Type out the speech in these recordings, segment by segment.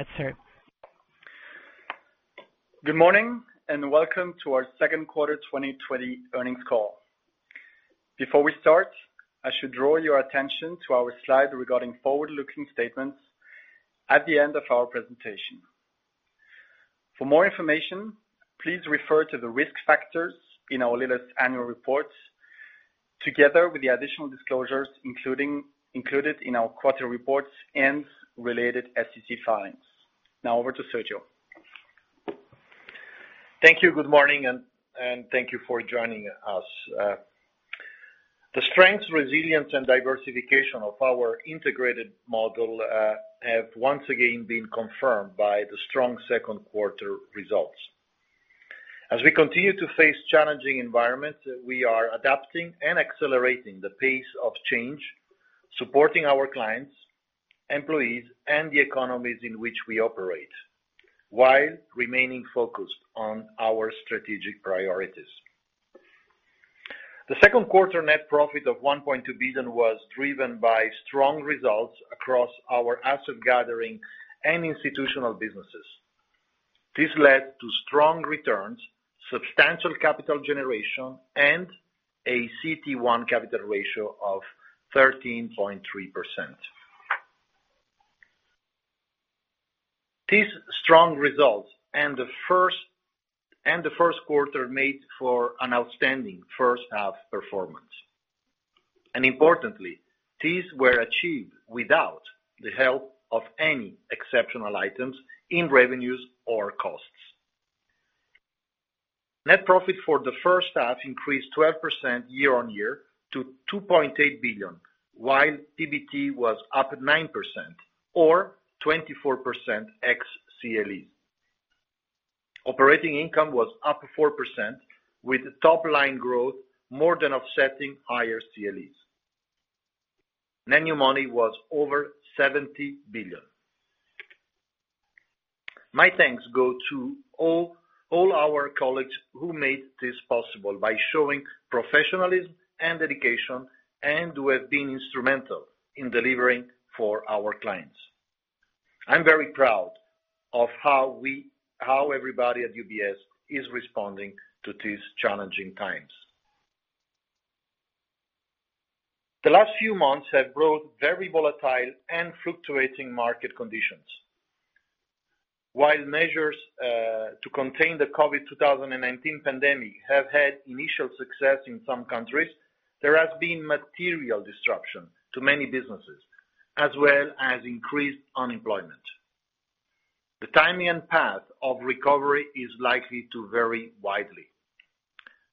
Go ahead, sir. Good morning, welcome to our second quarter 2020 earnings call. Before we start, I should draw your attention to our slide regarding forward-looking statements at the end of our presentation. For more information, please refer to the risk factors in our latest annual reports, together with the additional disclosures included in our quarter reports and related SEC filings. Now over to Sergio. Thank you. Good morning, and thank you for joining us. The strength, resilience, and diversification of our integrated model have once again been confirmed by the strong second quarter results. As we continue to face challenging environments, we are adapting and accelerating the pace of change, supporting our clients, employees, and the economies in which we operate, while remaining focused on our strategic priorities. The second quarter net profit of $1.2 billion was driven by strong results across our asset gathering and institutional businesses. This led to strong returns, substantial capital generation, and a CET1 capital ratio of 13.3%. These strong results and the first quarter made for an outstanding first-half performance, and importantly, these were achieved without the help of any exceptional items in revenues or costs. Net profit for the first half increased 12% year-on-year to $2.8 billion, while PBT was up at 9% or 24% ex CLEs. Operating income was up 4% with top-line growth more than offsetting higher CLEs. Net new money was over 70 billion. My thanks go to all our colleagues who made this possible by showing professionalism and dedication, and who have been instrumental in delivering for our clients. I'm very proud of how everybody at UBS is responding to these challenging times. The last few months have brought very volatile and fluctuating market conditions. While measures to contain the COVID-19 pandemic have had initial success in some countries, there has been material disruption to many businesses, as well as increased unemployment. The timing and path of recovery is likely to vary widely.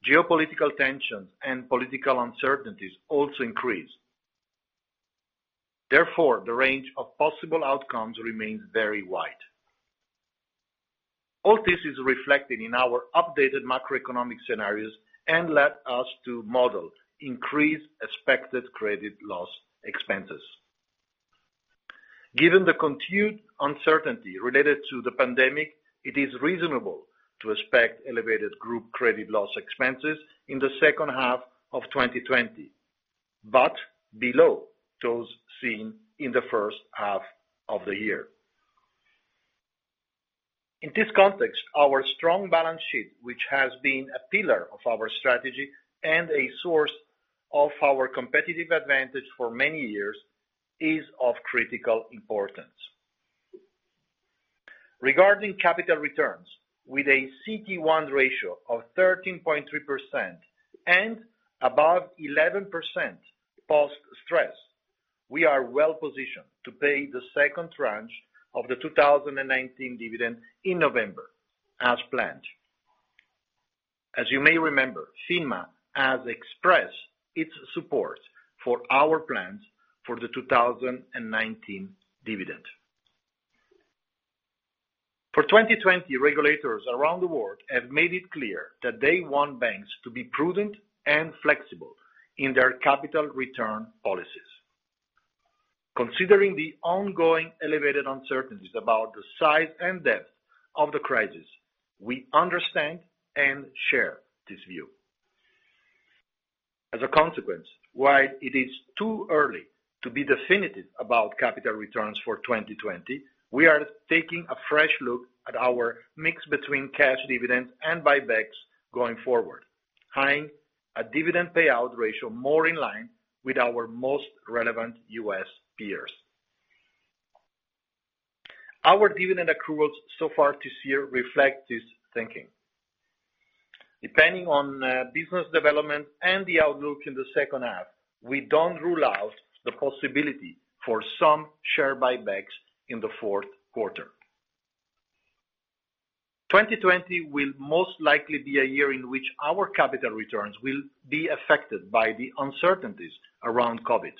Geopolitical tensions and political uncertainties also increase. Therefore, the range of possible outcomes remains very wide. All this is reflected in our updated macroeconomic scenarios and led us to model increased expected Credit Loss Expenses. Given the continued uncertainty related to the pandemic, it is reasonable to expect elevated group Credit Loss Expenses in the second half of 2020, but below those seen in the first half of the year. In this context, our strong balance sheet, which has been a pillar of our strategy and a source of our competitive advantage for many years, is of critical importance. Regarding capital returns, with a CET1 ratio of 13.3% and above 11% post-stress, we are well positioned to pay the second tranche of the 2019 dividend in November as planned. As you may remember, FINMA has expressed its support for our plans for the 2019 dividend. For 2020, regulators around the world have made it clear that they want banks to be prudent and flexible in their capital return policies. Considering the ongoing elevated uncertainties about the size and depth of the crisis, we understand and share this view. As a consequence, while it is too early to be definitive about capital returns for 2020, we are taking a fresh look at our mix between cash dividends and buybacks going forward, tying a dividend payout ratio more in line with our most relevant U.S. peers. Our dividend accruals so far this year reflect this thinking. Depending on business development and the outlook in the second half, we don't rule out the possibility for some share buybacks in the fourth quarter. 2020 will most likely be a year in which our capital returns will be affected by the uncertainties around COVID.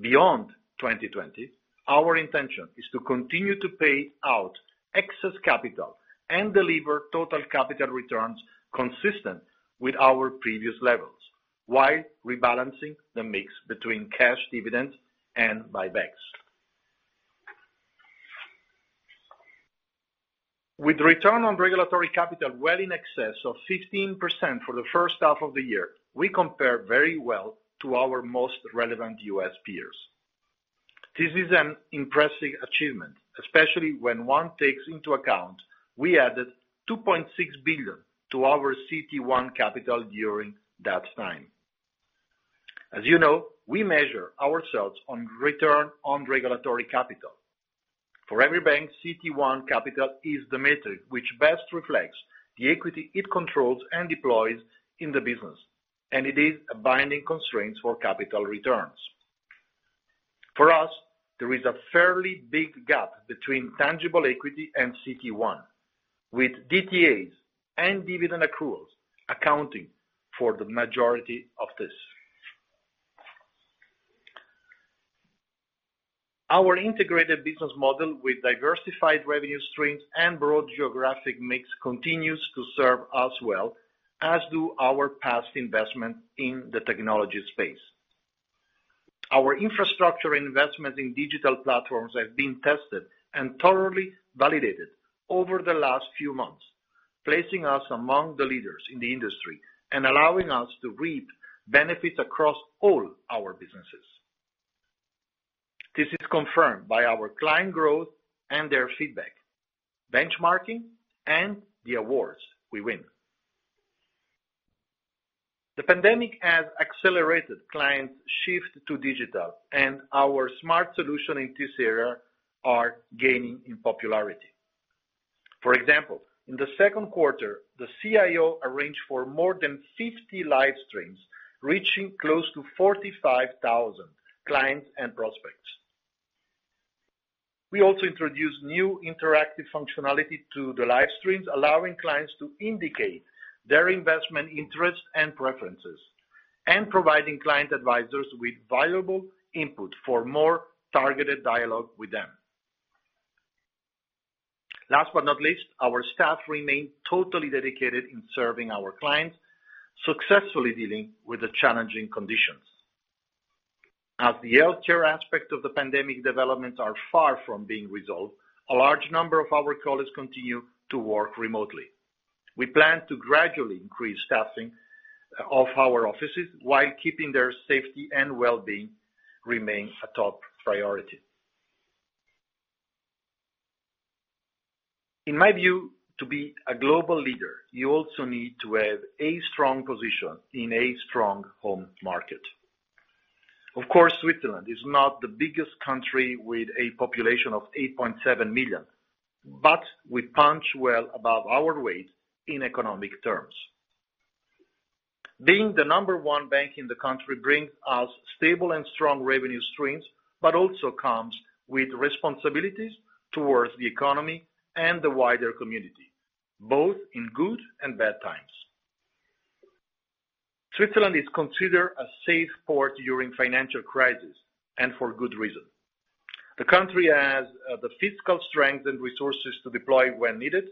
Beyond 2020, our intention is to continue to pay out excess capital and deliver total capital returns consistent with our previous levels, while rebalancing the mix between cash dividends and buybacks. With return on regulatory capital well in excess of 15% for the first half of the year, we compare very well to our most relevant U.S. peers. This is an impressive achievement, especially when one takes into account we added 2.6 billion to our CT1 capital during that time. As you know, we measure ourselves on return on regulatory capital. For every bank, CT1 capital is the metric which best reflects the equity it controls and deploys in the business, and it is a binding constraint for capital returns. For us, there is a fairly big gap between tangible equity and CT1, with DTAs and dividend accruals accounting for the majority of this. Our integrated business model with diversified revenue streams and broad geographic mix continues to serve us well, as do our past investments in the technology space. Our infrastructure investments in digital platforms have been tested and thoroughly validated over the last few months, placing us among the leaders in the industry and allowing us to reap benefits across all our businesses. This is confirmed by our client growth and their feedback, benchmarking, and the awards we win. The pandemic has accelerated clients' shift to digital, and our smart solutions in this area are gaining in popularity. For example, in the second quarter, the CIO arranged for more than 50 live streams, reaching close to 45,000 clients and prospects. We also introduced new interactive functionality to the live streams, allowing clients to indicate their investment interests and preferences, and providing client advisors with valuable input for more targeted dialogue with them. Last but not least, our staff remain totally dedicated in serving our clients, successfully dealing with the challenging conditions. As the healthcare aspect of the pandemic developments are far from being resolved, a large number of our colleagues continue to work remotely. We plan to gradually increase staffing of our offices while keeping their safety and wellbeing remain a top priority. In my view, to be a global leader, you also need to have a strong position in a strong home market. Of course, Switzerland is not the biggest country with a population of 8.7 million, but we punch well above our weight in economic terms. Being the number one bank in the country brings us stable and strong revenue streams, but also comes with responsibilities towards the economy and the wider community, both in good and bad times. Switzerland is considered a safe port during financial crisis, and for good reason. The country has the fiscal strength and resources to deploy when needed.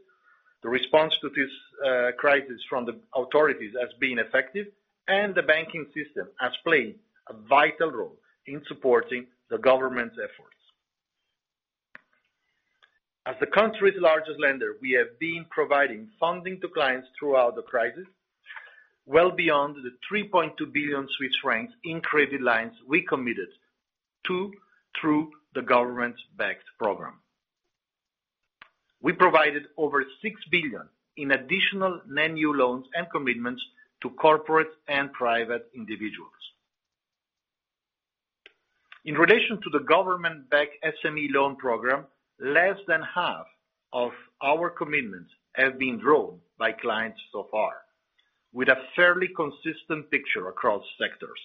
The response to this crisis from the authorities has been effective, and the banking system has played a vital role in supporting the government's efforts. As the country's largest lender, we have been providing funding to clients throughout the crisis, well beyond the 3.2 billion francs in credit lines we committed to through the government-backed program. We provided over 6 billion in additional net new loans and commitments to corporate and private individuals. In relation to the government-backed SME loan program, less than half of our commitments have been drawn by clients so far, with a fairly consistent picture across sectors.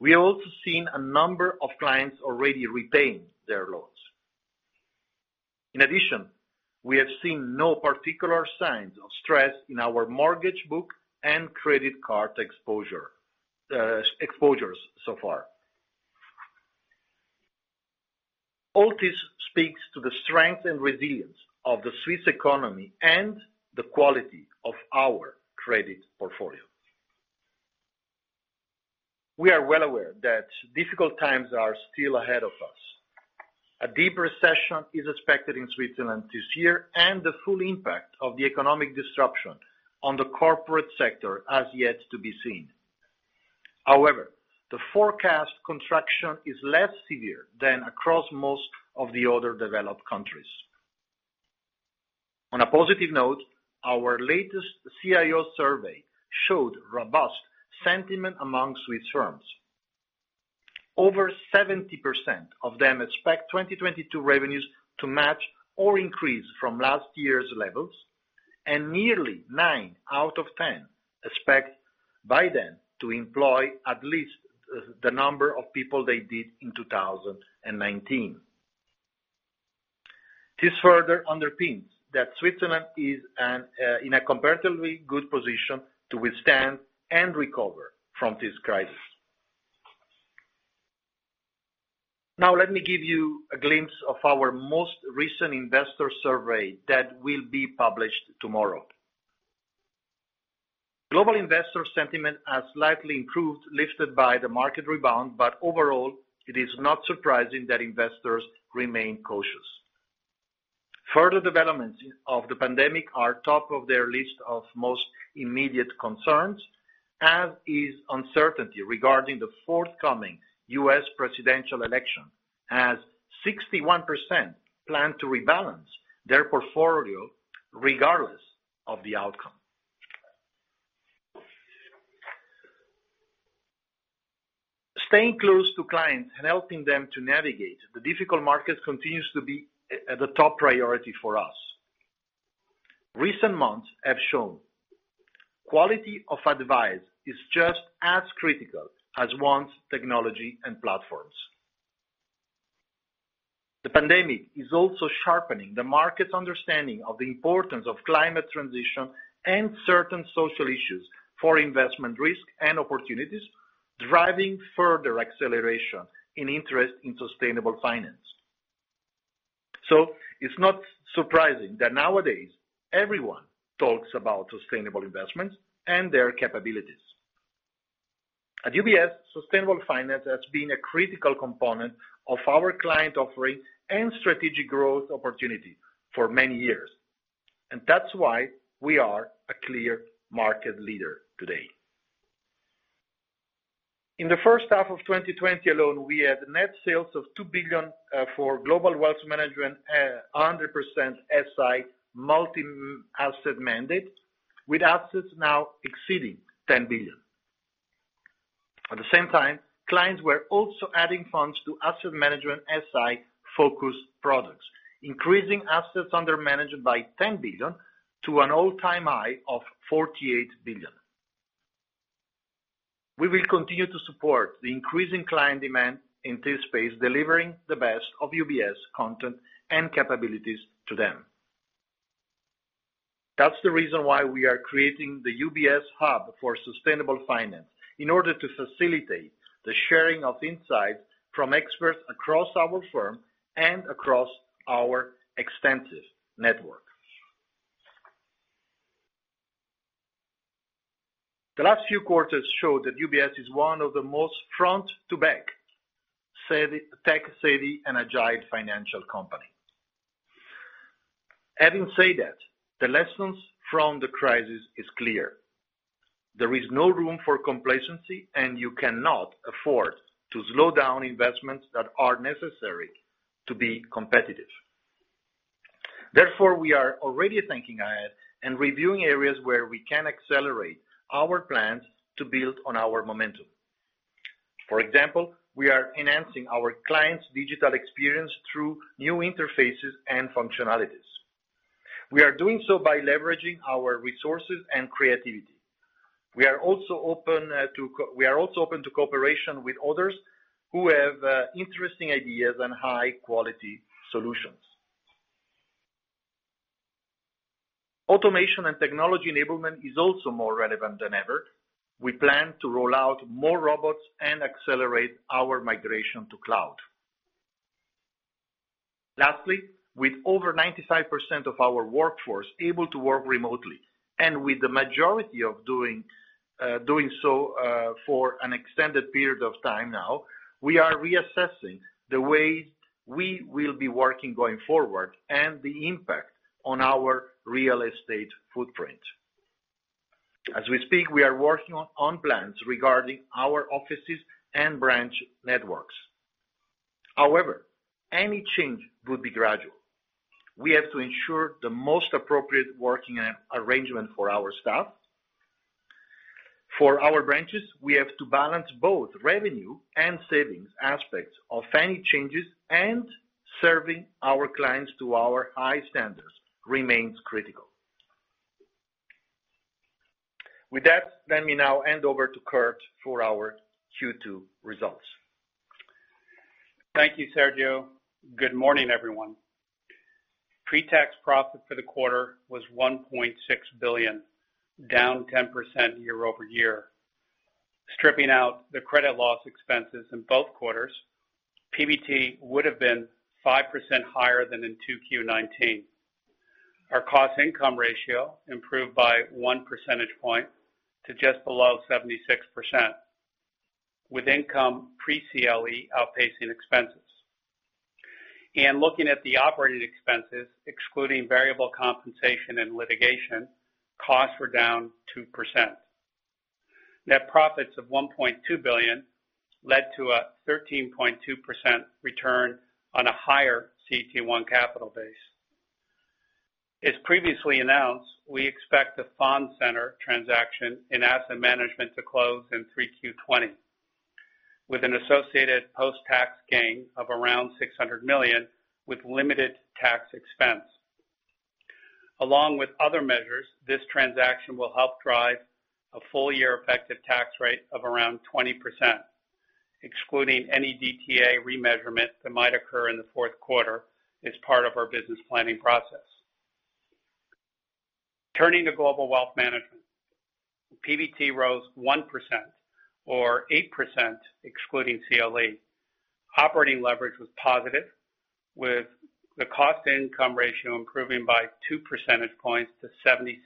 We have also seen a number of clients already repaying their loans. We have seen no particular signs of stress in our mortgage book and credit card exposures so far. All this speaks to the strength and resilience of the Swiss economy and the quality of our credit portfolio. We are well aware that difficult times are still ahead of us. A deep recession is expected in Switzerland this year, the full impact of the economic disruption on the corporate sector has yet to be seen. The forecast contraction is less severe than across most of the other developed countries. On a positive note, our latest CIO survey showed robust sentiment among Swiss firms. Over 70% of them expect 2022 revenues to match or increase from last year's levels, nearly nine out of 10 expect by then to employ at least the number of people they did in 2019. This further underpins that Switzerland is in a comparatively good position to withstand and recover from this crisis. Let me give you a glimpse of our most recent investor survey that will be published tomorrow. Global investor sentiment has slightly improved, lifted by the market rebound, but overall, it is not surprising that investors remain cautious. Further developments of the pandemic are top of their list of most immediate concerns, as is uncertainty regarding the forthcoming U.S. presidential election, as 61% plan to rebalance their portfolio regardless of the outcome. Staying close to clients and helping them to navigate the difficult market continues to be a top priority for us. Recent months have shown quality of advice is just as critical as one's technology and platforms. The pandemic is also sharpening the market's understanding of the importance of climate transition and certain social issues for investment risk and opportunities, driving further acceleration in interest in sustainable finance. It's not surprising that nowadays everyone talks about sustainable investments and their capabilities. At UBS, sustainable finance has been a critical component of our client offering and strategic growth opportunity for many years, and that's why we are a clear market leader today. In the first half of 2020 alone, we had net sales of 2 billion for Global Wealth Management, 100% SI multi-asset mandate, with assets now exceeding 10 billion. At the same time, clients were also adding funds to asset management SI-focused products, increasing assets under management by 10 billion to an all-time high of 48 billion. We will continue to support the increasing client demand in this space, delivering the best of UBS content and capabilities to them. That's the reason why we are creating the UBS Hub for Sustainable Finance in order to facilitate the sharing of insights from experts across our firm and across our extensive network. The last few quarters show that UBS is one of the most front-to-back tech-savvy and agile financial companies. Having said that, the lessons from the crisis is clear. There is no room for complacency. You cannot afford to slow down investments that are necessary to be competitive. We are already thinking ahead and reviewing areas where we can Accelerate our plans to build on our momentum. For example, we are enhancing our clients' digital experience through new interfaces and functionalities. We are doing so by leveraging our resources and creativity. We are also open to cooperation with others who have interesting ideas and high-quality solutions. Automation and technology enablement is also more relevant than ever. We plan to roll out more robots and Accelerate our migration to cloud. Lastly, with over 95% of our workforce able to work remotely, and with the majority doing so for an extended period of time now, we are reassessing the way we will be working going forward and the impact on our real estate footprint. As we speak, we are working on plans regarding our offices and branch networks. Any change would be gradual. We have to ensure the most appropriate working arrangement for our staff. For our branches, we have to balance both revenue and savings aspects of any changes, and serving our clients to our high standards remains critical. With that, let me now hand over to Kirt for our Q2 results. Thank you, Sergio. Good morning, everyone. Pre-tax profit for the quarter was $1.6 billion, down 10% year-over-year. Stripping out the credit loss expenses in both quarters, PBT would have been 5% higher than in 2Q19. Our cost-income ratio improved by one percentage point to just below 76%, with income pre-CLE outpacing expenses. Looking at the operating expenses, excluding variable compensation and litigation, costs were down 2%. Net profits of $1.2 billion led to a 13.2% return on a higher CET1 capital base. As previously announced, we expect the Fondcenter transaction in asset management to close in 3Q20, with an associated post-tax gain of around $600 million with limited tax expense. Along with other measures, this transaction will help drive a full-year effective tax rate of around 20%, excluding any DTA remeasurement that might occur in the fourth quarter as part of our business planning process. Turning to Global Wealth Management, PBT rose 1%, or 8% excluding CLE. Operating leverage was positive with the cost-to-income ratio improving by two percentage points to 76%.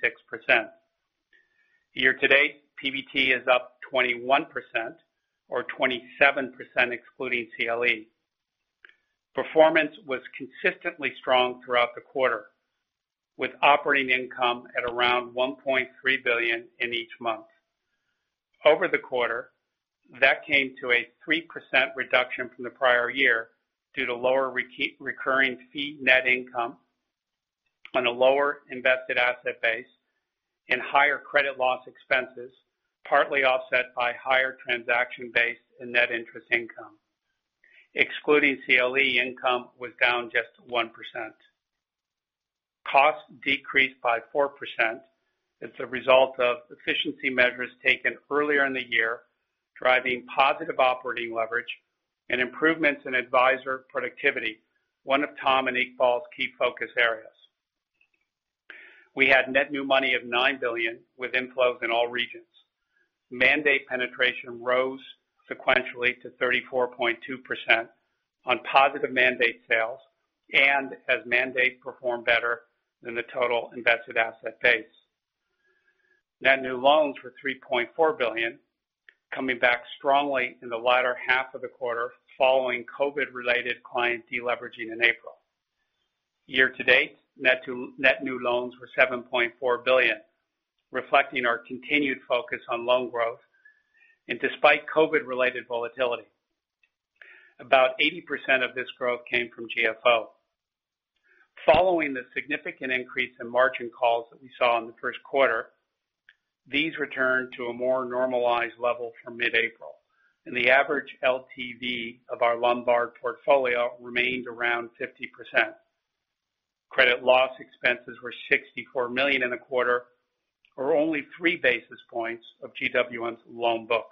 Year to date, PBT is up 21% or 27% excluding CLE. Performance was consistently strong throughout the quarter, with operating income at around 1.3 billion in each month. Over the quarter, that came to a 3% reduction from the prior year due to lower recurring fee net income on a lower invested asset base and higher Credit Loss Expenses, partly offset by higher transaction base and net interest income. Excluding CLE income was down just 1%. Costs decreased by 4%. It's a result of efficiency measures taken earlier in the year, driving positive operating leverage and improvements in advisor productivity, one of Tom and Iqbal's key focus areas. We had net new money of 9 billion with inflows in all regions. Mandate penetration rose sequentially to 34.2% on positive mandate sales and as mandate performed better than the total invested asset base. Net new loans were $3.4 billion, coming back strongly in the latter half of the quarter following COVID-related client de-leveraging in April. Year to date, net new loans were $7.4 billion, reflecting our continued focus on loan growth and despite COVID-related volatility. About 80% of this growth came from GFO. Following the significant increase in margin calls that we saw in the first quarter, these returned to a more normalized level from mid-April, and the average LTV of our Lombard portfolio remains around 50%. Credit loss expenses were $64 million in the quarter, or only three basis points of GWM's loan book.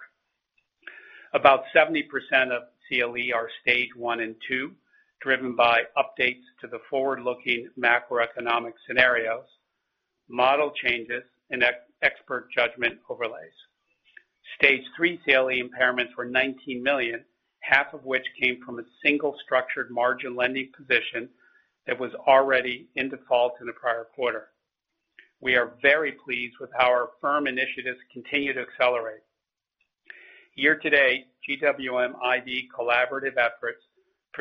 About 70% of CLE are stage 1 and 2, driven by updates to the forward-looking macroeconomic scenarios, model changes, and expert judgment overlays. Stage 3 CLE impairments were 19 million, half of which came from a single structured margin lending position that was already in default in the prior quarter. We are very pleased with how our firm initiatives continue to Accelerate. Year to date, GWM IB collaborative efforts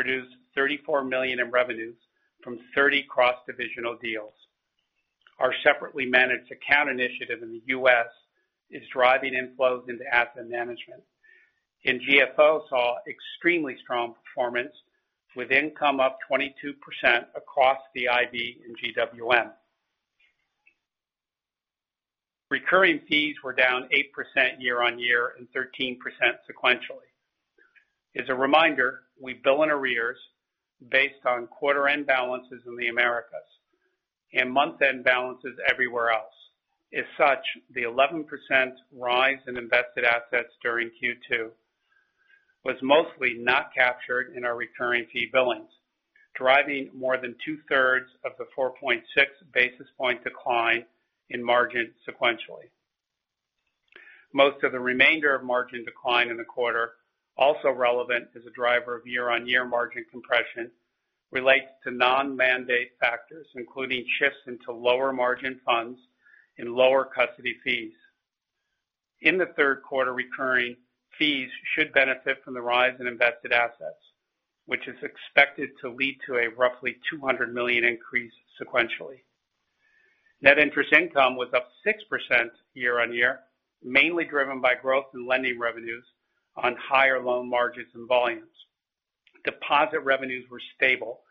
produced 34 million in revenues from 30 cross-divisional deals. Our separately managed account initiative in the U.S. is driving inflows into asset management. GFO saw extremely strong performance with income up 22% across the IB and GWM. Recurring fees were down 8% year on year and 13% sequentially. As a reminder, we bill in arrears based on quarter-end balances in the Americas and month-end balances everywhere else. As such, the 11% rise in invested assets during Q2 was mostly not captured in our recurring fee billings, driving more than two-thirds of the 4.6 basis point decline in margin sequentially. Most of the remainder of margin decline in the quarter, also relevant as a driver of year-on-year margin compression, relates to non-mandate factors, including shifts into lower margin funds and lower custody fees. In the third quarter, recurring fees should benefit from the rise in invested assets, which is expected to lead to a roughly 200 million increase sequentially. Net interest income was up 6% year-on-year, mainly driven by growth in lending revenues on higher loan margins and volumes. Deposit revenues were stable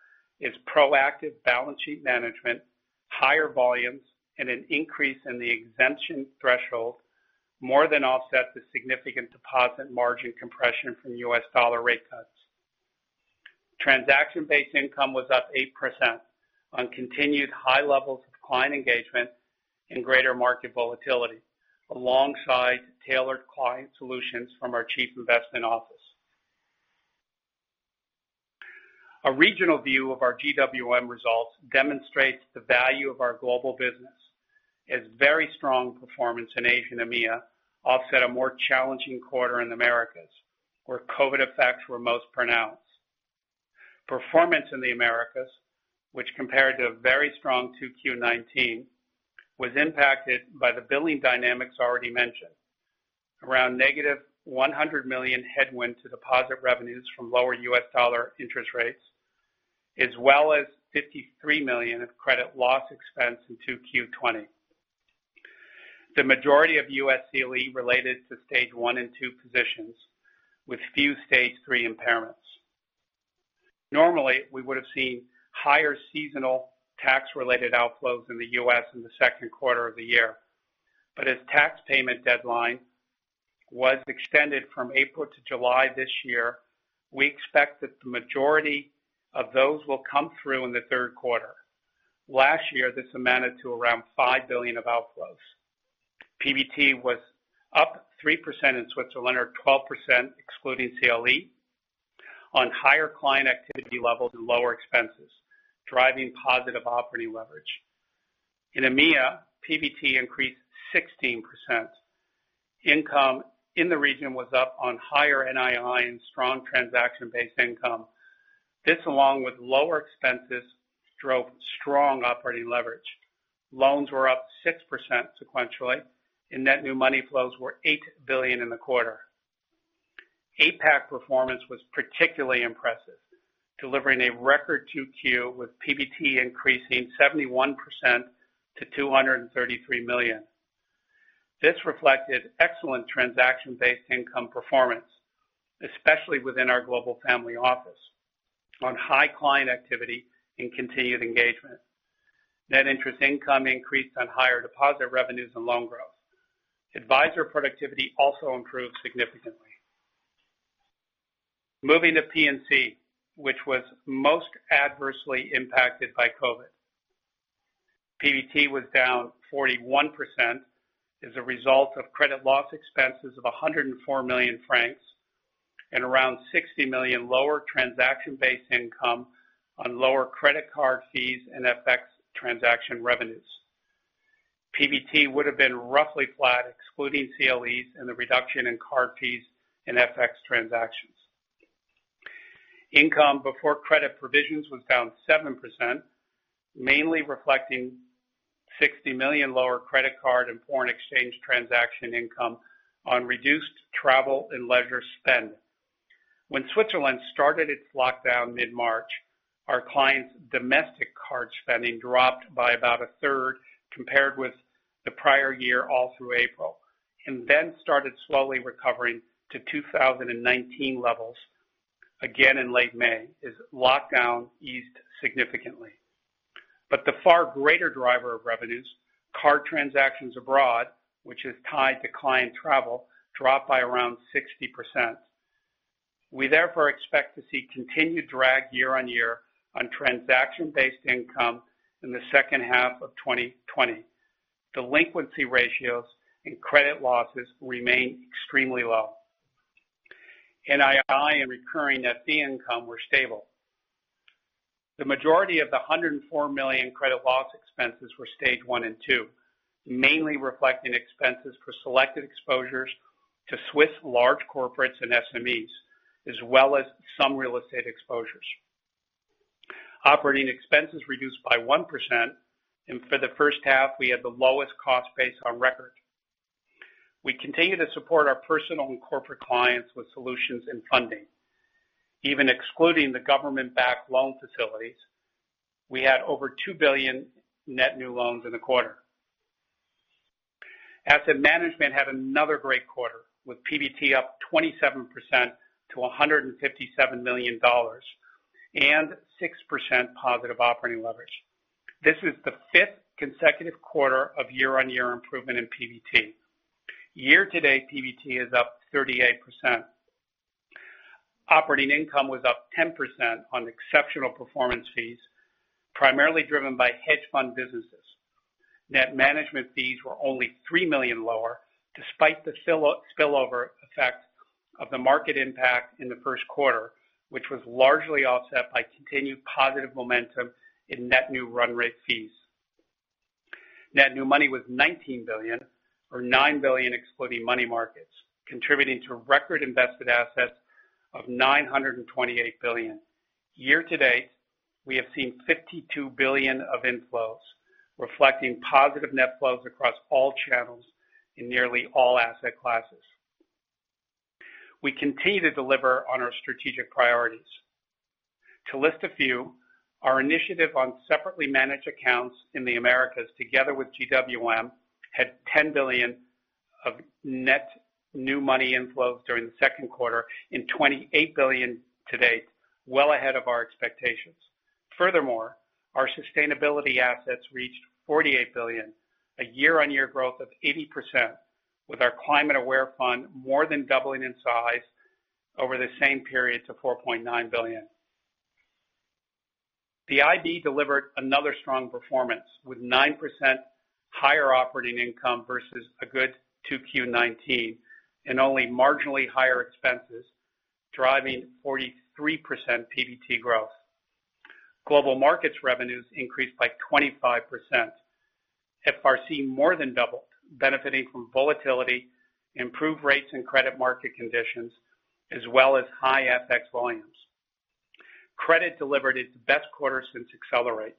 as proactive balance sheet management, higher volumes, and an increase in the exemption threshold more than offset the significant deposit margin compression from U.S. dollar rate cuts. Transaction-based income was up 8% on continued high levels of client engagement and greater market volatility alongside tailored client solutions from our Chief Investment Office. A regional view of our GWM results demonstrates the value of our global business as very strong performance in Asia and EMEA offset a more challenging quarter in the Americas, where COVID effects were most pronounced. Performance in the Americas, which compared to a very strong 2Q19, was impacted by the billing dynamics already mentioned. Around negative $100 million headwind to deposit revenues from lower U.S. dollar interest rates, as well as $53 million of credit loss expense in 2Q20. The majority of U.S. CLE related to stage 1 and 2 positions, with few stage 3 impairments. Normally, we would've seen higher seasonal tax-related outflows in the U.S. in the second quarter of the year. As tax payment deadline was extended from April to July this year, we expect that the majority of those will come through in the third quarter. Last year, this amounted to around $5 billion of outflows. PBT was up 3% in Switzerland or 12% excluding CLE on higher client activity levels and lower expenses, driving positive operating leverage. In EMEA, PBT increased 16%. Income in the region was up on higher NII and strong transaction-based income. This, along with lower expenses, drove strong operating leverage. Loans were up 6% sequentially, and net new money flows were $8 billion in the quarter. APAC performance was particularly impressive, delivering a record 2Q with PBT increasing 71% to $233 million. This reflected excellent transaction-based income performance, especially within our global family office, on high client activity and continued engagement. Net interest income increased on higher deposit revenues and loan growth. Advisor productivity also improved significantly. Moving to P&C, which was most adversely impacted by COVID. PBT was down 41% as a result of credit loss expenses of 104 million francs and around 60 million lower transaction-based income on lower credit card fees and FX transaction revenues. PBT would've been roughly flat, excluding CLEs and the reduction in card fees and FX transactions. Income before credit provisions was down 7%, mainly reflecting 60 million lower credit card and foreign exchange transaction income on reduced travel and leisure spend. Switzerland started its lockdown mid-March, our clients' domestic card spending dropped by about a third compared with the prior year all through April, then started slowly recovering to 2019 levels again in late May as lockdown eased significantly. The far greater driver of revenues, card transactions abroad, which is tied to client travel, dropped by around 60%. We therefore expect to see continued drag year-on-year on transaction-based income in the second half of 2020. Delinquency ratios and credit losses remain extremely low. NII and recurring fee income were stable. The majority of the $104 million credit loss expenses were stage 1 and 2, mainly reflecting expenses for selected exposures to Swiss large corporates and SMEs, as well as some real estate exposures. Operating expenses reduced by 1%. For the first half, we had the lowest cost base on record. We continue to support our personal and corporate clients with solutions and funding. Even excluding the government-backed loan facilities, we had over $2 billion net new loans in the quarter. Asset management had another great quarter, with PBT up 27% to $157 million and 6% positive operating leverage. This is the fifth consecutive quarter of year-on-year improvement in PBT. Year to date, PBT is up 38%. Operating income was up 10% on exceptional performance fees, primarily driven by hedge fund businesses. Net management fees were only 3 million lower, despite the spillover effect of the market impact in the first quarter, which was largely offset by continued positive momentum in net new run rate fees. Net new money was 19 billion, or 9 billion excluding money markets, contributing to record invested assets of 928 billion. Year to date, we have seen 52 billion of inflows, reflecting positive net flows across all channels in nearly all asset classes. We continue to deliver on our strategic priorities. To list a few, our initiative on separately managed accounts in the Americas together with GWM had 10 billion of net new money inflows during the second quarter and 28 billion to date, well ahead of our expectations. Furthermore, our sustainability assets reached 48 billion, a year-on-year growth of 80%, with our Climate Aware fund more than doubling in size over the same period to 4.9 billion. The IB delivered another strong performance, with 9% higher operating income versus a good Q2 2019 and only marginally higher expenses, driving 43% PBT growth. Global Markets revenues increased by 25%. FRC more than doubled, benefiting from volatility, improved rates and credit market conditions, as well as high FX volumes. Credit delivered its best quarter since Accelerate.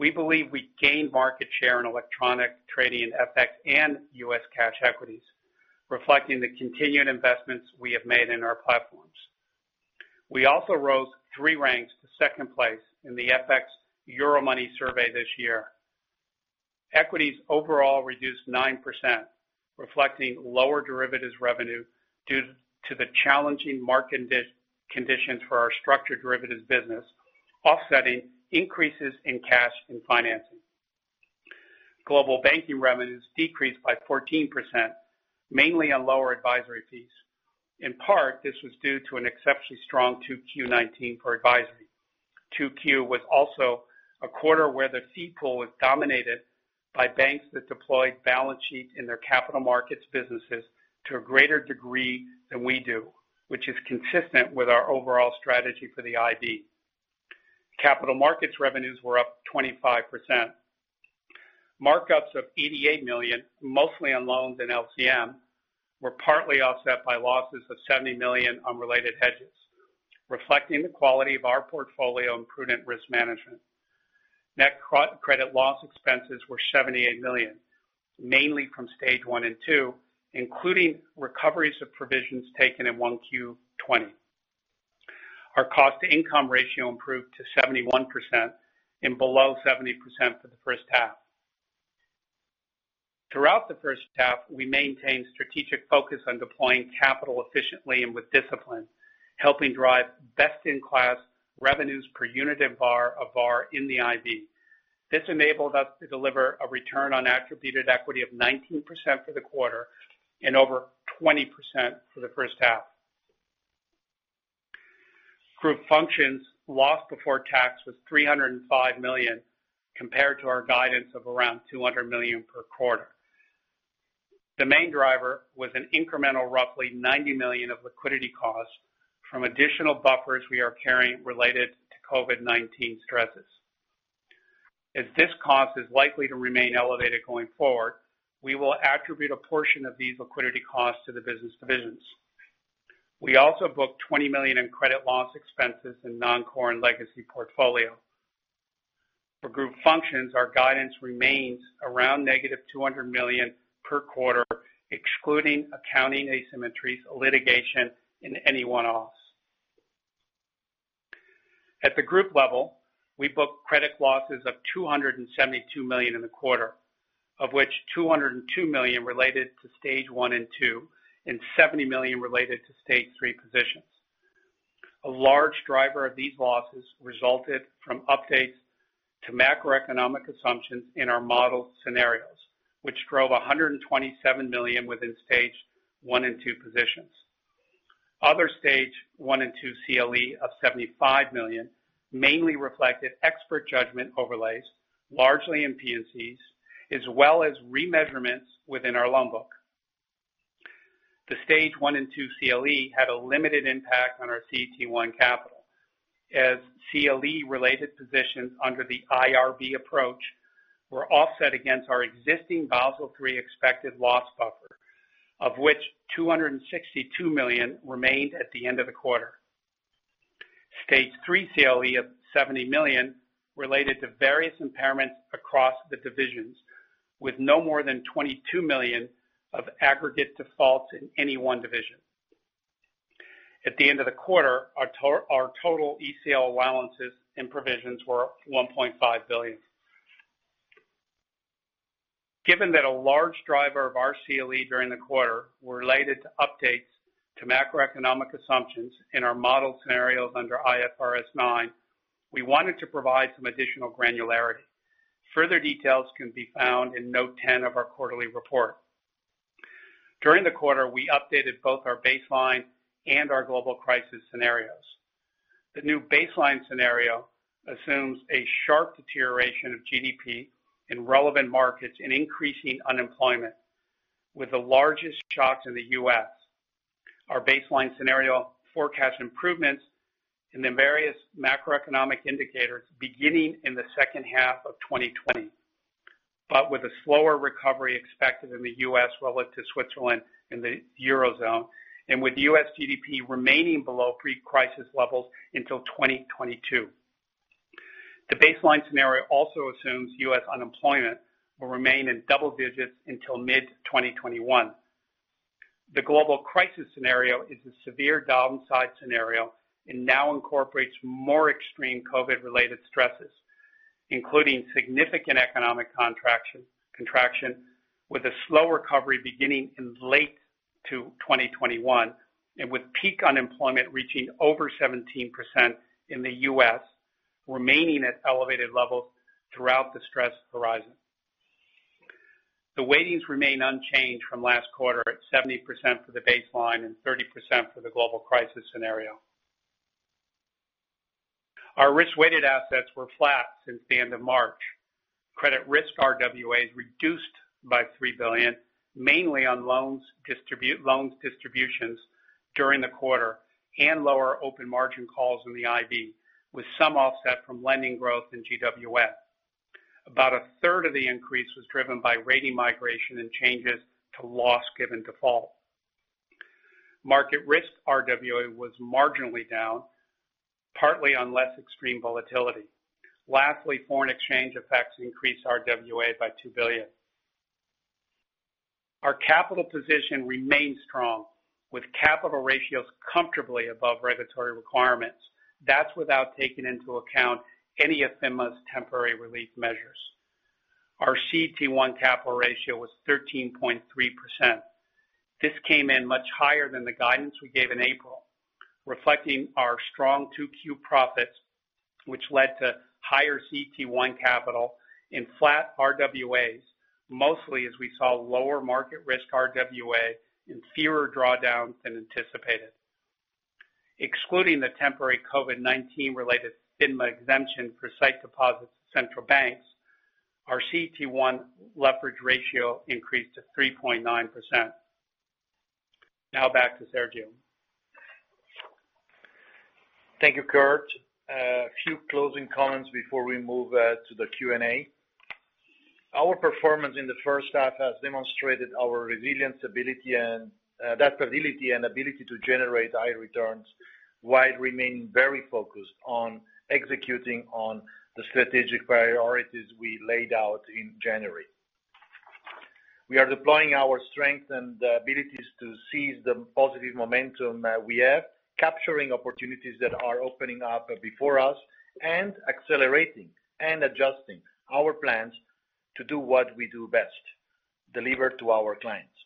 We believe we gained market share in electronic trading and FX and U.S. cash equities, reflecting the continued investments we have made in our platforms. We also rose 3 ranks to second place in the FX Euromoney survey this year. Equities overall reduced 9%, reflecting lower derivatives revenue due to the challenging market conditions for our structured derivatives business, offsetting increases in cash and financing. Global Banking revenues decreased by 14%, mainly on lower advisory fees. In part, this was due to an exceptionally strong Q2 2019 for advisory. Q2 was also a quarter where the fee pool was dominated by banks that deployed balance sheet in their capital markets businesses to a greater degree than we do, which is consistent with our overall strategy for the IB. Capital markets revenues were up 25%. Markups of 88 million, mostly on loans in LCM, were partly offset by losses of 70 million on related hedges, reflecting the quality of our portfolio and prudent risk management. Net credit loss expenses were 78 million, mainly from stage 1 and 2, including recoveries of provisions taken in 1Q20. Our cost-to-income ratio improved to 71% and below 70% for the first half. Throughout the first half, we maintained strategic focus on deploying capital efficiently and with discipline, helping drive best-in-class revenues per unit of bar in the IB. This enabled us to deliver a return on attributed equity of 19% for the quarter and over 20% for the first half. Group Functions loss before tax was 305 million compared to our guidance of around 200 million per quarter. The main driver was an incremental roughly 90 million of liquidity costs from additional buffers we are carrying related to COVID-19 stresses. As this cost is likely to remain elevated going forward, we will attribute a portion of these liquidity costs to the business divisions. We also booked 20 million in credit loss expenses in Non-Core and Legacy portfolio. For Group Functions, our guidance remains around negative 200 million per quarter, excluding accounting asymmetries, litigation and any one-offs. At the group level, we booked credit losses of 272 million in the quarter, of which 202 million related to stage 1 and 2, and 70 million related to stage 3 positions. A large driver of these losses resulted from updates to macroeconomic assumptions in our model scenarios, which drove 127 million within stage 1 and 2 positions. Other stage 1 and 2 CLE of 75 million mainly reflected expert judgment overlays largely in P&C, as well as remeasurements within our loan book. The stage 1 and 2 CLE had a limited impact on our CET1 capital, as CLE-related positions under the IRB approach were offset against our existing Basel III expected loss buffer, of which 262 million remained at the end of the quarter. Stage 3 CLE of 70 million related to various impairments across the divisions, with no more than 22 million of aggregate defaults in any one division. At the end of the quarter, our total ECL allowances and provisions were 1.5 billion. Given that a large driver of our CLE during the quarter were related to updates to macroeconomic assumptions in our model scenarios under IFRS 9, we wanted to provide some additional granularity. Further details can be found in note ten of our quarterly report. During the quarter, we updated both our baseline and our global crisis scenarios. The new baseline scenario assumes a sharp deterioration of GDP in relevant markets and increasing unemployment, with the largest shocks in the U.S. Our baseline scenario forecasts improvements in the various macroeconomic indicators beginning in the second half of 2020, but with a slower recovery expected in the U.S. relative to Switzerland and the Eurozone, and with U.S. GDP remaining below pre-crisis levels until 2022. The baseline scenario also assumes U.S. unemployment will remain in double digits until mid-2021. The global crisis scenario is a severe downside scenario and now incorporates more extreme COVID-related stresses, including significant economic contraction with a slow recovery beginning in late to 2021, and with peak unemployment reaching over 17% in the U.S., remaining at elevated levels throughout the stress horizon. The weightings remain unchanged from last quarter at 70% for the baseline and 30% for the global crisis scenario. Our Risk-Weighted Assets were flat since the end of March. Credit risk RWAs reduced by $3 billion, mainly on loans distributions during the quarter and lower open margin calls in the IB, with some offset from lending growth in GWM. About a third of the increase was driven by rating migration and changes to loss given default. Market risk RWA was marginally down, partly on less extreme volatility. Lastly, foreign exchange effects increased RWA by $2 billion. Our capital position remains strong, with capital ratios comfortably above regulatory requirements. That's without taking into account any of FINMA's temporary relief measures. Our CET1 capital ratio was 13.3%. This came in much higher than the guidance we gave in April, reflecting our strong 2Q profits, which led to higher CET1 capital and flat RWAs, mostly as we saw lower market risk RWA and fewer drawdowns than anticipated. Excluding the temporary COVID-19 related FINMA exemption for sight deposits at central banks, our CET1 leverage ratio increased to 3.9%. Back to Sergio. Thank you, Kurt. A few closing comments before we move to the Q&A. Our performance in the first half has demonstrated our resilience, adaptability, and ability to generate high returns while remaining very focused on executing on the strategic priorities we laid out in January. We are deploying our strength and the abilities to seize the positive momentum that we have, capturing opportunities that are opening up before us, and accelerating and adjusting our plans to do what we do best, deliver to our clients.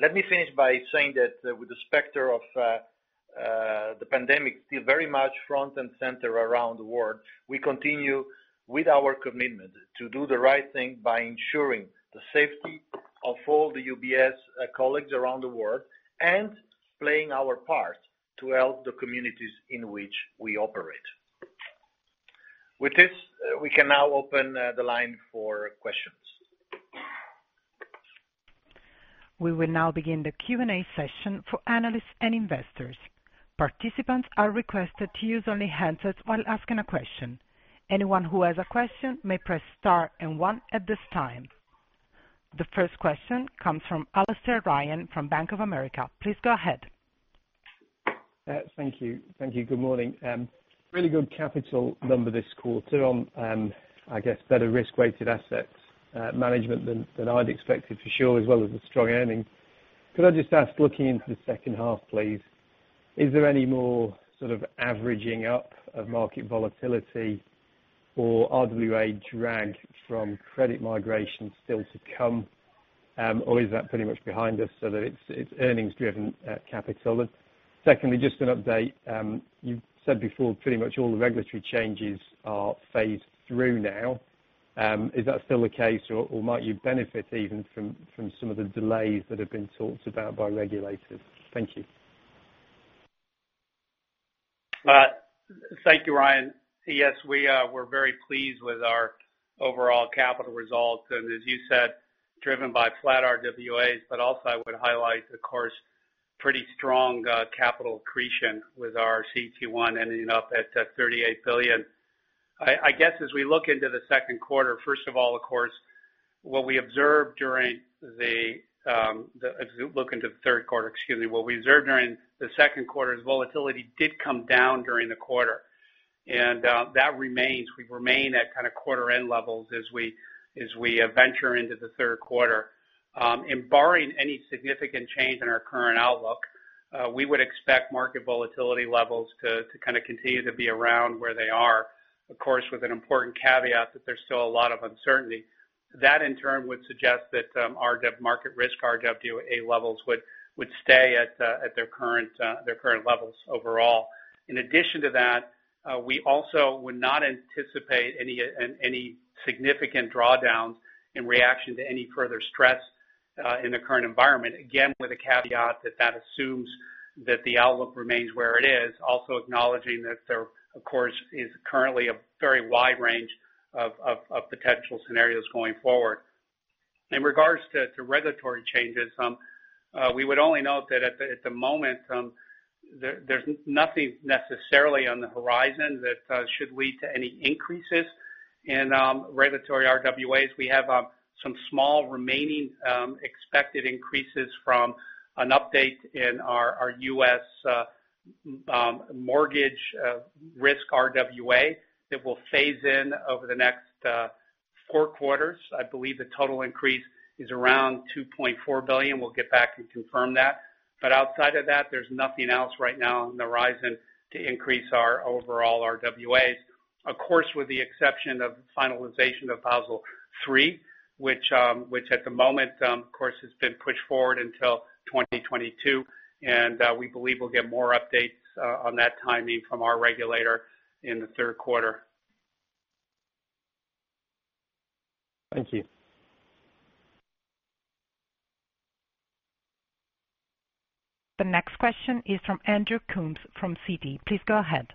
Let me finish by saying that with the specter of the pandemic still very much front and center around the world, we continue with our commitment to do the right thing by ensuring the safety of all the UBS colleagues around the world and playing our part to help the communities in which we operate. With this, we can now open the line for questions. We will now begin the Q&A session for analysts and investors. Participants are requested to use only handsets while asking a question. Anyone who has a question may press star and one at this time. The first question comes from Alastair Ryan from Bank of America. Please go ahead. Thank you. Good morning. Really good capital number this quarter on, I guess, better Risk-Weighted Assets management than I'd expected for sure, as well as the strong earnings. Could I just ask, looking into the second half, please, is there any more sort of averaging up of market volatility or RWA drag from credit migration still to come? Is that pretty much behind us so that it's earnings-driven capital? Secondly, just an update. You said before pretty much all the regulatory changes are phased through now. Is that still the case, or might you benefit even from some of the delays that have been talked about by regulators? Thank you. Thank you, Ryan. Yes, we're very pleased with our overall capital results and as you said, driven by flat RWAs, but also I would highlight, of course, pretty strong capital accretion with our CET1 ending up at $38 billion. I guess as we look into the second quarter, first of all, of course, what we observed as we look into the third quarter, excuse me, what we observed during the second quarter is volatility did come down during the quarter, and that remains. We remain at kind of quarter-end levels as we venture into the third quarter. Barring any significant change in our current outlook, we would expect market volatility levels to kind of continue to be around where they are, of course, with an important caveat that there's still a lot of uncertainty. That in turn would suggest that our market risk RWA levels would stay at their current levels overall. In addition to that, we also would not anticipate any significant drawdowns in reaction to any further stress in the current environment, again, with a caveat that that assumes that the outlook remains where it is, also acknowledging that there, of course, is currently a very wide range of potential scenarios going forward. In regards to regulatory changes, we would only note that at the moment, there's nothing necessarily on the horizon that should lead to any increases in regulatory RWAs. We have some small remaining expected increases from an update in our U.S. mortgage risk RWA that will phase in over the next four quarters. I believe the total increase is around 2.4 billion. We'll get back and confirm that. Outside of that, there's nothing else right now on the horizon to increase our overall RWAs. Of course, with the exception of finalization of Basel III, which at the moment, of course, has been pushed forward until 2022, and we believe we'll get more updates on that timing from our regulator in the third quarter. Thank you. The next question is from Andrew Coombs from Citi. Please go ahead.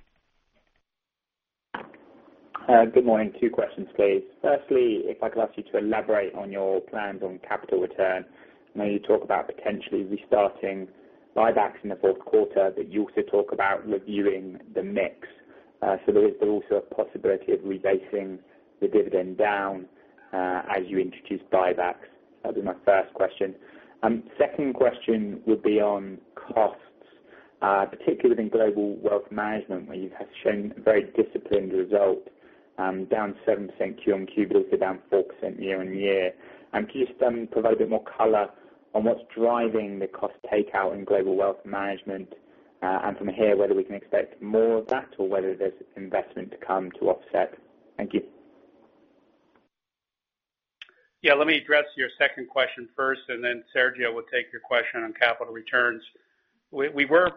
Good morning. Two questions, please. Firstly, if I could ask you to elaborate on your plans on capital return. I know you talk about potentially restarting buybacks in the fourth quarter, but you also talk about reviewing the mix. There is also a possibility of rebasing the dividend down as you introduce buybacks. That'd be my first question. Second question would be on costs, particularly within Global Wealth Management, where you have shown a very disciplined result, down 7% quarter-over-quarter, but also down 4% year-over-year. Can you just provide a bit more color on what's driving the cost takeout in Global Wealth Management? From here, whether we can expect more of that or whether there's investment to come to offset. Thank you. Yeah. Let me address your second question first, then Sergio will take your question on capital returns. We were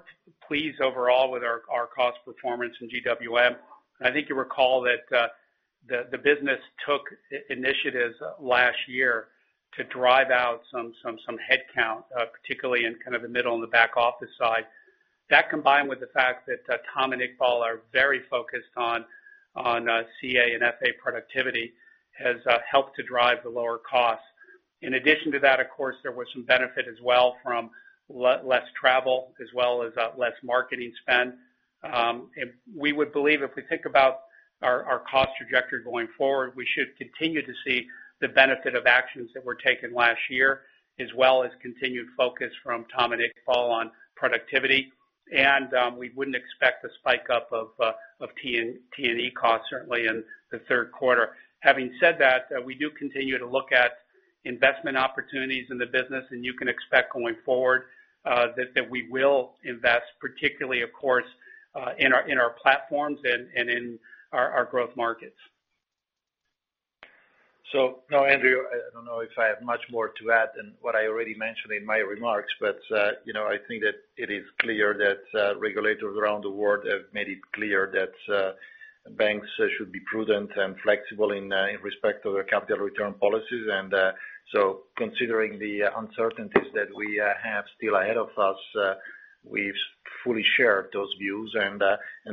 pleased overall with our cost performance in GWM. I think you recall The business took initiatives last year to drive out some headcount, particularly in the middle and the back-office side. That, combined with the fact that Tom and Iqbal are very focused on CA and FA productivity, has helped to drive the lower costs. In addition to that, of course, there was some benefit as well from less travel as well as less marketing spend. We would believe if we think about our cost trajectory going forward, we should continue to see the benefit of actions that were taken last year as well as continued focus from Tom and Iqbal on productivity. We wouldn't expect a spike up of T&E costs, certainly in the third quarter. Having said that, we do continue to look at investment opportunities in the business, and you can expect going forward that we will invest, particularly, of course, in our platforms and in our growth markets. Now, Andrew, I don't know if I have much more to add than what I already mentioned in my remarks. I think that it is clear that regulators around the world have made it clear that banks should be prudent and flexible in respect of their capital return policies. Considering the uncertainties that we have still ahead of us, we fully share those views.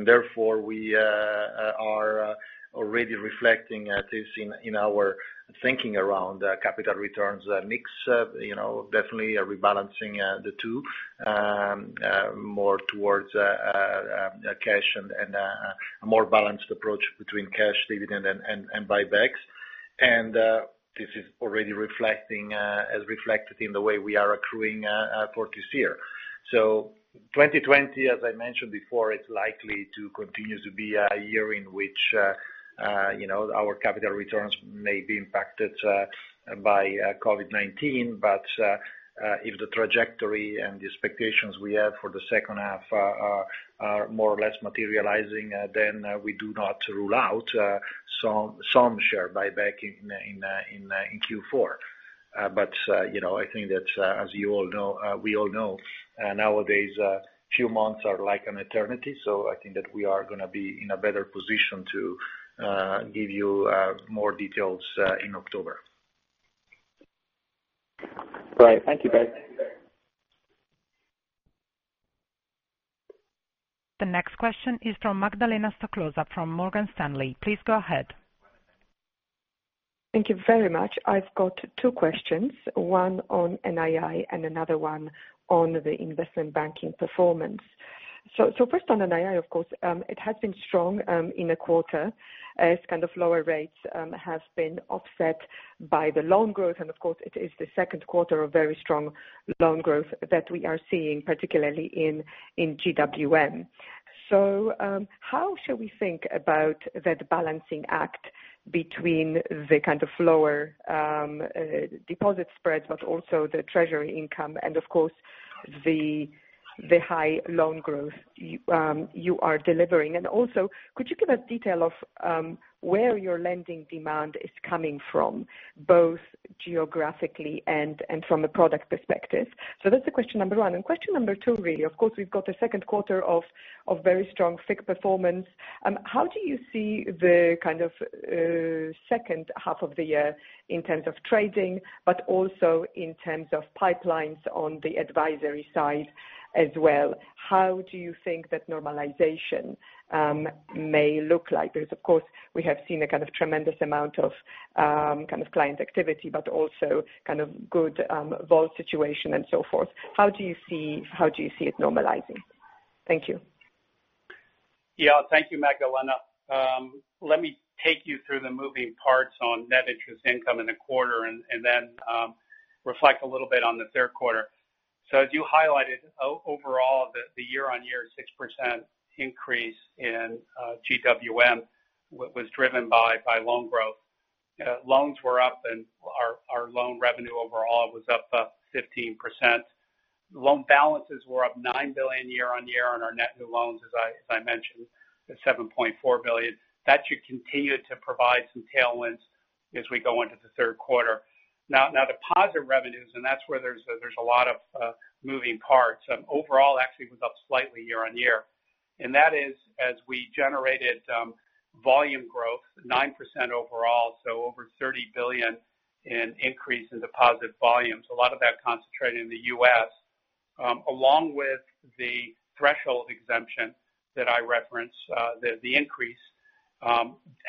Therefore, we are already reflecting this in our thinking around capital returns mix, definitely are rebalancing the two more towards cash and a more balanced approach between cash dividend and buybacks. This is already reflected in the way we are accruing for this year. 2020, as I mentioned before, it's likely to continue to be a year in which our capital returns may be impacted by COVID-19. If the trajectory and the expectations we have for the second half are more or less materializing, then we do not rule out some share buyback in Q4. I think that as we all know, nowadays, few months are like an eternity. I think that we are going to be in a better position to give you more details in October. Great. Thank you, guys. The next question is from Magdalena Stoklosa from Morgan Stanley. Please go ahead. Thank you very much. I've got two questions, one on NII, and another one on the investment banking performance. First, on NII, of course, it has been strong in the quarter as kind of lower rates have been offset by the loan growth. Of course, it is the second quarter of very strong loan growth that we are seeing, particularly in GWM. How should we think about that balancing act between the kind of lower deposit spreads, but also the treasury income and of course, the high loan growth you are delivering? Also, could you give a detail of where your lending demand is coming from, both geographically and from a product perspective? That's the question number 1. Question number 2, really, of course, we've got a second quarter of very strong FICC performance. How do you see the kind of second half of the year in terms of trading, but also in terms of pipelines on the advisory side as well? How do you think that normalization may look like? Of course, we have seen a kind of tremendous amount of client activity, but also kind of good vol situation and so forth. How do you see it normalizing? Thank you. Thank you, Magdalena. Let me take you through the moving parts on net interest income in the quarter, and then reflect a little bit on the third quarter. As you highlighted, overall, the year-on-year 6% increase in GWM was driven by loan growth. Loans were up, and our loan revenue overall was up 15%. Loan balances were up $9 billion year-on-year on our net new loans, as I mentioned, at $7.4 billion. That should continue to provide some tailwinds as we go into the third quarter. Deposit revenues, and that's where there's a lot of moving parts. Overall, actually was up slightly year-on-year. That is as we generated volume growth, 9% overall, so over $30 billion in increase in deposit volumes. A lot of that concentrated in the U.S., along with the threshold exemption that I referenced, the increase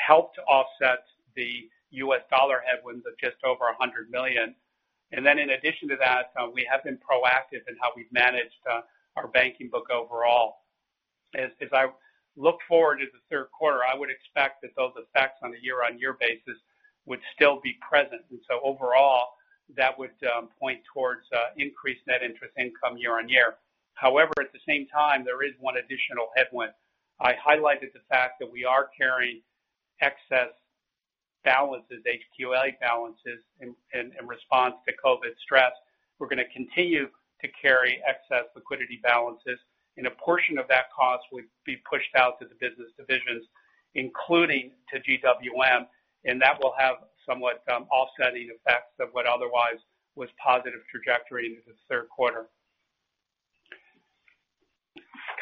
helped to offset the U.S. dollar headwinds of just over $100 million. In addition to that, we have been proactive in how we've managed our banking book overall. As I look forward to the third quarter, I would expect that those effects on a year-on-year basis would still be present. Overall, that would point towards increased net interest income year-on-year. However, at the same time, there is one additional headwind. I highlighted the fact that we are carrying excess balances, HQLA balances in response to COVID stress. We're going to continue to carry excess liquidity balances. A portion of that cost will be pushed out to the business divisions, including to GWM. That will have somewhat offsetting effects of what otherwise was positive trajectory into the third quarter.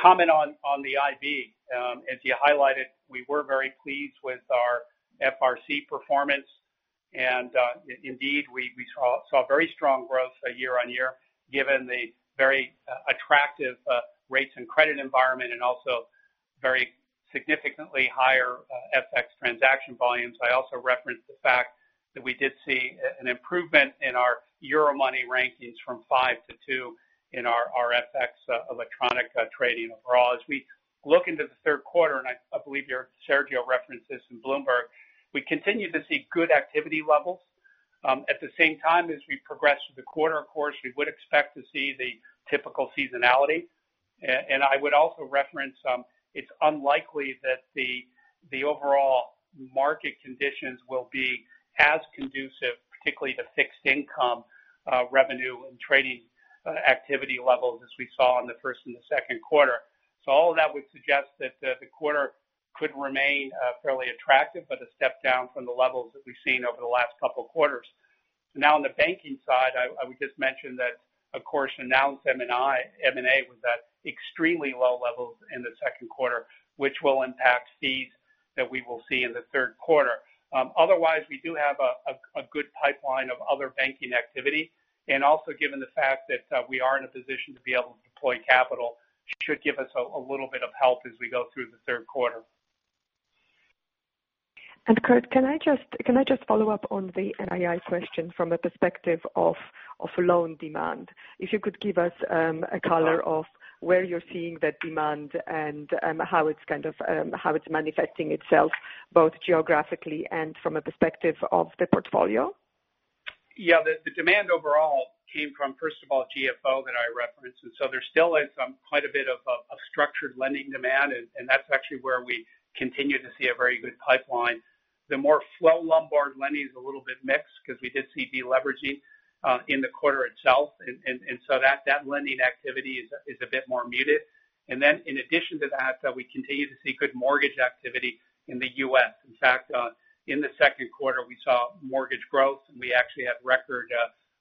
Comment on the IB. As you highlighted, we were very pleased with our FRC performance and indeed we saw very strong growth year-on-year given the very attractive rates and credit environment and also very significantly higher FX transaction volumes. I also referenced the fact that we did see an improvement in our Euromoney rankings from five to two in our FX electronic trading overall. As we look into the third quarter, I believe here Sergio referenced this in Bloomberg, we continue to see good activity levels. At the same time, as we progress through the quarter, of course, we would expect to see the typical seasonality. I would also reference, it's unlikely that the overall market conditions will be as conducive, particularly to fixed income revenue and trading activity levels as we saw in the first and the second quarter. All of that would suggest that the quarter could remain fairly attractive, but a step down from the levels that we've seen over the last couple of quarters. Now on the banking side, I would just mention that, of course, announced M&A was at extremely low levels in the second quarter, which will impact fees that we will see in the third quarter. Otherwise, we do have a good pipeline of other banking activity, and also given the fact that we are in a position to be able to deploy capital, should give us a little bit of help as we go through the third quarter. Kirt, can I just follow up on the NII question from a perspective of loan demand? If you could give us a color of where you're seeing that demand and how it's manifesting itself, both geographically and from a perspective of the portfolio. The demand overall came from, first of all, GFO that I referenced. There still is quite a bit of a structured lending demand, and that's actually where we continue to see a very good pipeline. The more flow Lombard lending is a little bit mixed because we did see de-leveraging in the quarter itself, and so that lending activity is a bit more muted. In addition to that, we continue to see good mortgage activity in the U.S. In fact, in the second quarter, we saw mortgage growth, and we actually had record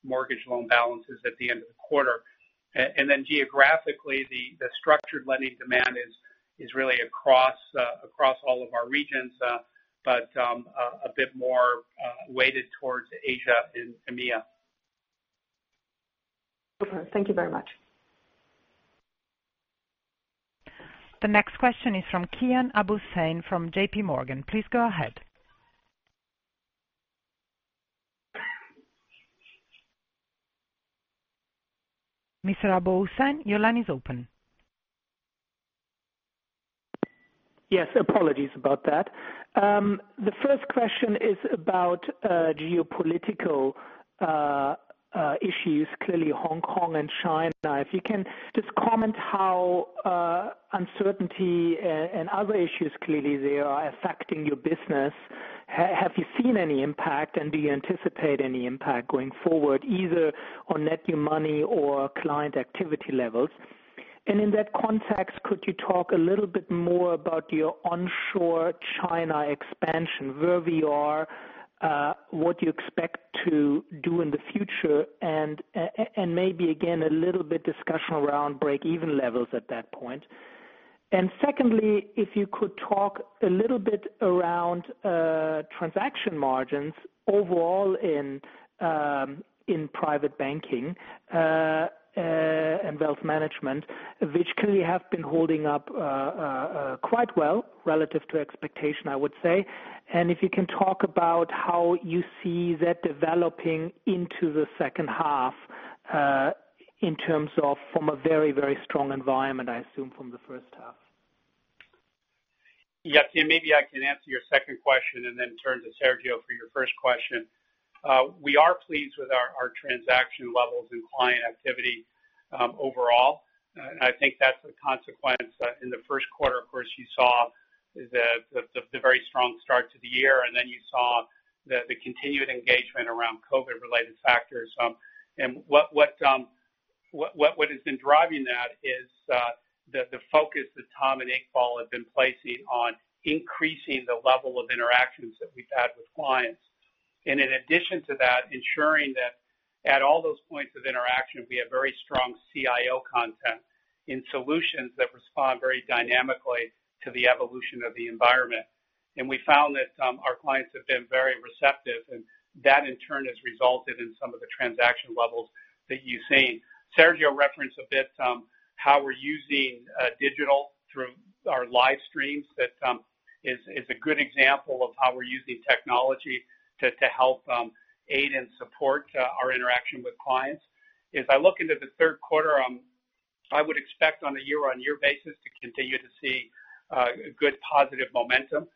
mortgage loan balances at the end of the quarter. Geographically, the structured lending demand is really across all of our regions, but a bit more weighted towards Asia and EMEA. Okay. Thank you very much. The next question is from Kian Abouhossein from J.P. Morgan. Please go ahead. Mr. Abouhossein, your line is open. Yes. Apologies about that. The first question is about geopolitical issues, clearly Hong Kong and China. If you can just comment how uncertainty and other issues, clearly they are affecting your business. Have you seen any impact, do you anticipate any impact going forward, either on net new money or client activity levels? In that context, could you talk a little bit more about your onshore China expansion, where we are, what you expect to do in the future, and maybe again, a little bit discussion around break-even levels at that point. Secondly, if you could talk a little bit around transaction margins overall in private banking and wealth management, which clearly have been holding up quite well relative to expectation, I would say. If you can talk about how you see that developing into the second half, in terms of from a very, very strong environment, I assume, from the first half. Yes. Kian, maybe I can answer your second question and then turn to Sergio for your first question. We are pleased with our transaction levels and client activity overall. I think that's a consequence. In the first quarter, of course, you saw the very strong start to the year, you saw the continued engagement around COVID-related factors. What has been driving that is the focus that Tom and Iqbal have been placing on increasing the level of interactions that we've had with clients. In addition to that, ensuring that at all those points of interaction, we have very strong CIO content in solutions that respond very dynamically to the evolution of the environment. We found that our clients have been very receptive, and that in turn has resulted in some of the transaction levels that you've seen. Sergio referenced a bit how we're using digital through our live streams. That is a good example of how we're using technology to help aid and support our interaction with clients. As I look into the third quarter, I would expect on a year-on-year basis to continue to see good positive momentum.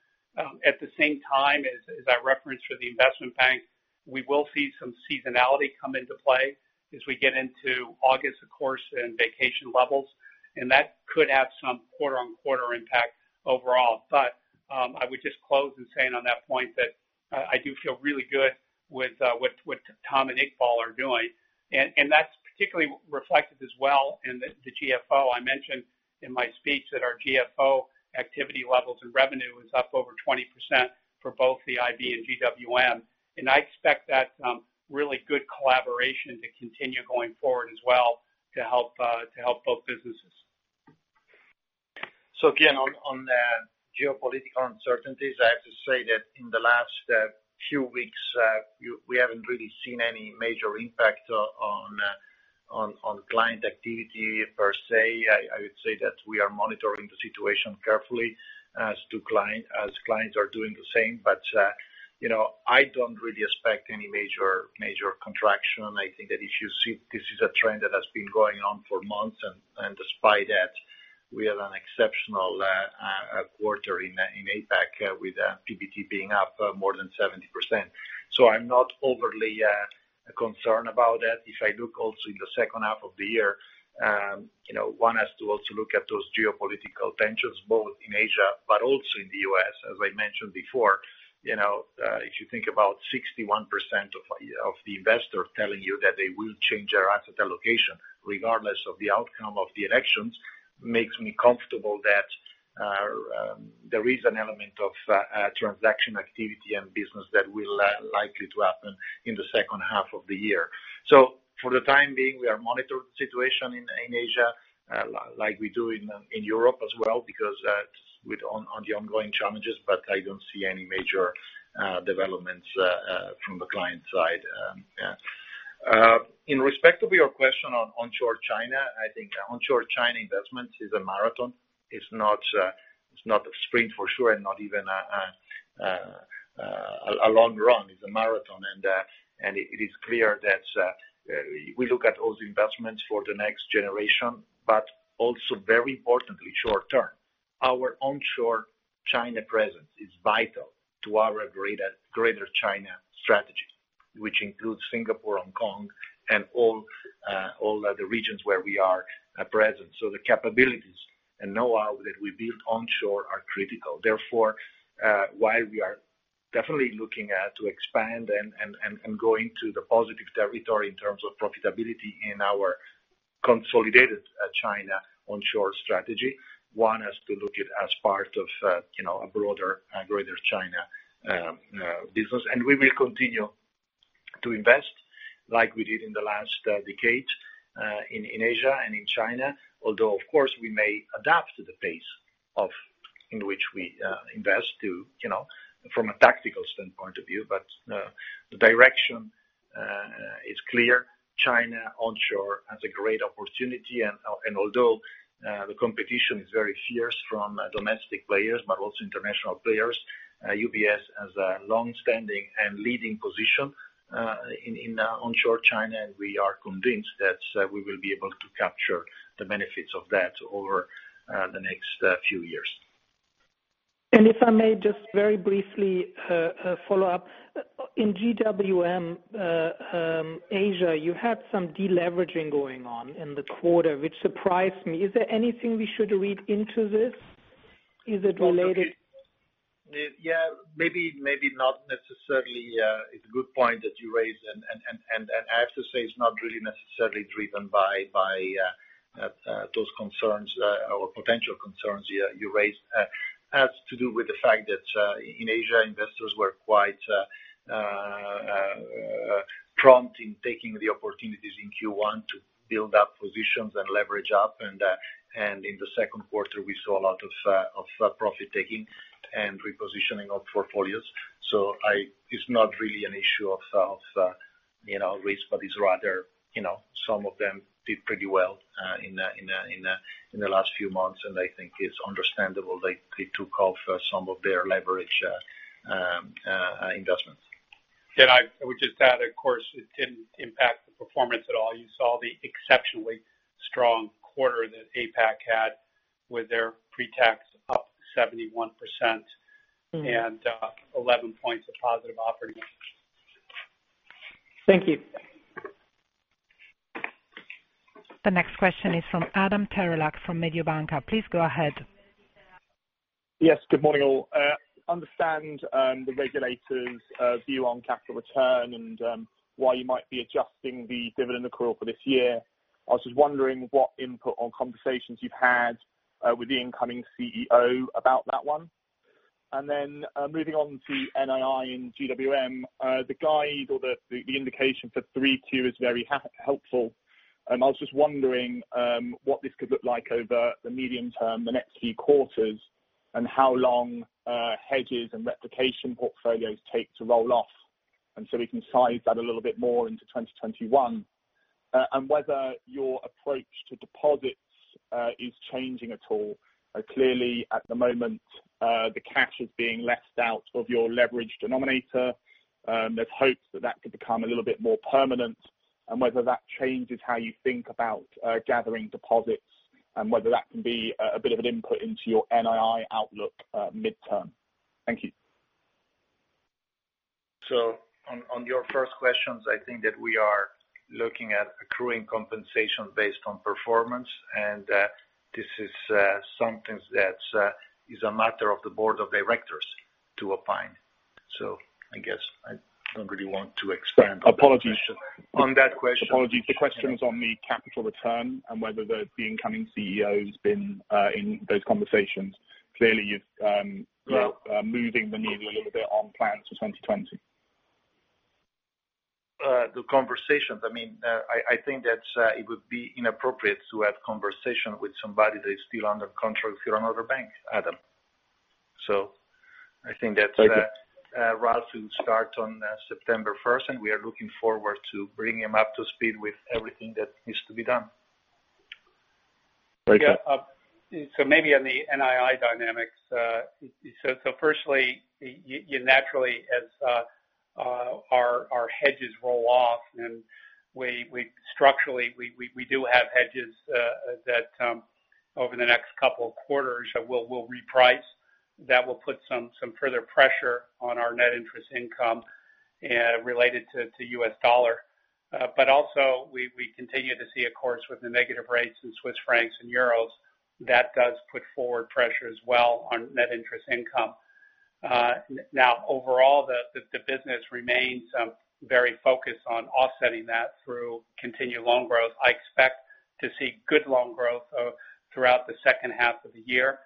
At the same time, as I referenced for the Investment Bank, we will see some seasonality come into play as we get into August, of course, and vacation levels. That could have some quarter-on-quarter impact overall. I would just close in saying on that point that I do feel really good with what Tom and Iqbal are doing. That's particularly reflected as well in the GFO. I mentioned in my speech that our GFO activity levels and revenue was up over 20% for both the IB and GWM. I expect that really good collaboration to continue going forward as well to help both businesses. Again, on the geopolitical uncertainties, I have to say that in the last few weeks, we haven't really seen any major impact on client activity per se. I would say that we are monitoring the situation carefully as clients are doing the same. I don't really expect any major contraction. I think that if you see, this is a trend that has been going on for months, and despite that, we had an exceptional quarter in APAC with PBT being up more than 70%. I'm not overly concerned about that. If I look also in the second half of the year, one has to also look at those geopolitical tensions, both in Asia but also in the U.S. As I mentioned before, if you think about 61% of the investors telling you that they will change their asset allocation regardless of the outcome of the elections, makes me comfortable that there is an element of transaction activity and business that will likely to happen in the second half of the year. For the time being, we are monitoring the situation in Asia, like we do in Europe as well on the ongoing challenges. I don't see any major developments from the client side. In respect of your question on onshore China, I think onshore China investments is a marathon. It's not a sprint for sure and not even a long run. It's a marathon, and it is clear that we look at those investments for the next generation, but also very importantly, short-term. Our onshore China presence is vital to our greater China strategy, which includes Singapore, Hong Kong, and all the regions where we are present. The capabilities and knowhow that we build onshore are critical. Therefore, while we are definitely looking at to expand and going to the positive territory in terms of profitability in our consolidated China onshore strategy, one has to look it as part of a broader, greater China business. We will continue to invest like we did in the last decade, in Asia and in China, although of course, we may adapt to the pace in which we invest from a tactical standpoint of view. The direction is clear. China onshore has a great opportunity, and although the competition is very fierce from domestic players, but also international players, UBS has a longstanding and leading position in onshore China, and we are convinced that we will be able to capture the benefits of that over the next few years. If I may just very briefly follow up. In GWM Asia, you had some deleveraging going on in the quarter, which surprised me. Is there anything we should read into this? Is it related- Yeah. Maybe not necessarily. It's a good point that you raised, and I have to say, it's not really necessarily driven by those concerns or potential concerns you raised. It has to do with the fact that, in Asia, investors were quite prompt in taking the opportunities in Q1 to build up positions and leverage up. In the second quarter, we saw a lot of profit-taking and repositioning of portfolios. It's not really an issue of risk, but it's rather some of them did pretty well in the last few months, and I think it's understandable they took off some of their leverage investments. Can I just add, of course, it didn't impact the performance at all. You saw the exceptionally strong quarter that APAC had with their pre-tax up 71% and 11 points of positive operating. Thank you. The next question is from Adam Terlak from Mediobanca. Please go ahead. Yes, good morning, all. Understand the regulators' view on capital return and why you might be adjusting the dividend accrual for this year. I was just wondering what input on conversations you've had with the incoming CEO about that one. Moving on to NII and GWM, the guide or the indication for 32 is very helpful. I was just wondering what this could look like over the medium term, the next few quarters, and how long hedges and replication portfolios take to roll off, and so we can size that a little bit more into 2021, and whether your approach to deposits is changing at all. Clearly, at the moment, the cash is being left out of your leverage denominator. There's hopes that that could become a little bit more permanent, and whether that changes how you think about gathering deposits and whether that can be a bit of an input into your NII outlook midterm. Thank you. On your first questions, I think that we are looking at accruing compensation based on performance, and this is something that is a matter of the board of directors to opine. I guess I don't really want to expand on that question. Apologies. The question on the capital return and whether the incoming CEO's been in those conversations. Yeah moving the needle a little bit on plans for 2020. The conversations, I think that it would be inappropriate to have conversation with somebody that is still under contract with another bank, Adam. Okay Ralph will start on September 1st, and we are looking forward to bring him up to speed with everything that needs to be done. Thank you. Maybe on the NII dynamics. Firstly, you naturally, as our hedges roll off and structurally we do have hedges that over the next couple of quarters will reprice. That will put some further pressure on our net interest income related to US dollar. Also we continue to see a course with the negative rates in Swiss francs and euros that does put forward pressure as well on net interest income. Overall, the business remains very focused on offsetting that through continued loan growth. I expect to see good loan growth throughout the second half of the year.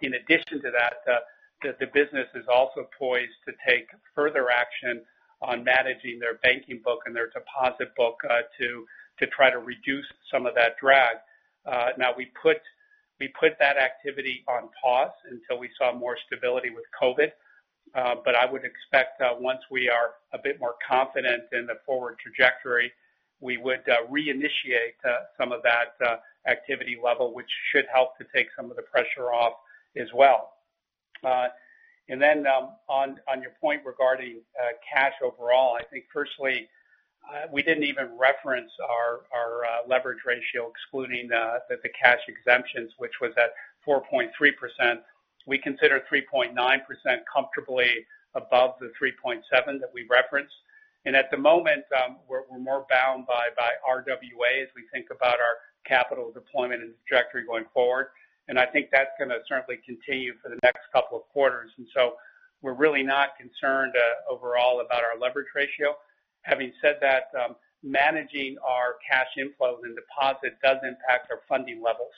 In addition to that, the business is also poised to take further action on managing their banking book and their deposit book to try to reduce some of that drag. We put that activity on pause until we saw more stability with COVID. I would expect once we are a bit more confident in the forward trajectory, we would reinitiate some of that activity level, which should help to take some of the pressure off as well. On your point regarding cash overall, I think firstly, we didn't even reference our leverage ratio excluding the cash exemptions, which was at 4.3%. We consider 3.9% comfortably above the 3.7 that we referenced. At the moment, we're more bound by RWA as we think about our capital deployment and trajectory going forward. I think that's going to certainly continue for the next couple of quarters. We're really not concerned overall about our leverage ratio. Having said that, managing our cash inflows and deposits does impact our funding levels.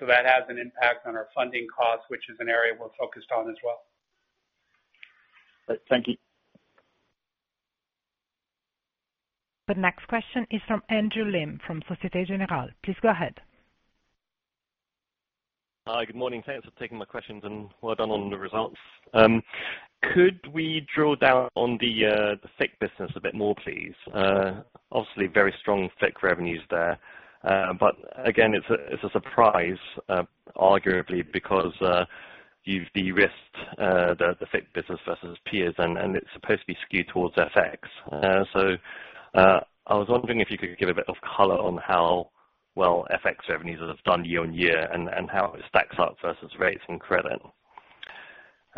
That has an impact on our funding costs, which is an area we're focused on as well. Thank you. The next question is from Andrew Lim from Societe Generale. Please go ahead. Hi. Good morning. Thanks for taking my questions. Well done on the results. Could we drill down on the FICC business a bit more, please? Obviously, very strong FICC revenues there. Again, it's a surprise, arguably because you've de-risked the FICC business versus peers, and it's supposed to be skewed towards FX. I was wondering if you could give a bit of color on how well FX revenues have done year-over-year and how it stacks up versus rates and credit.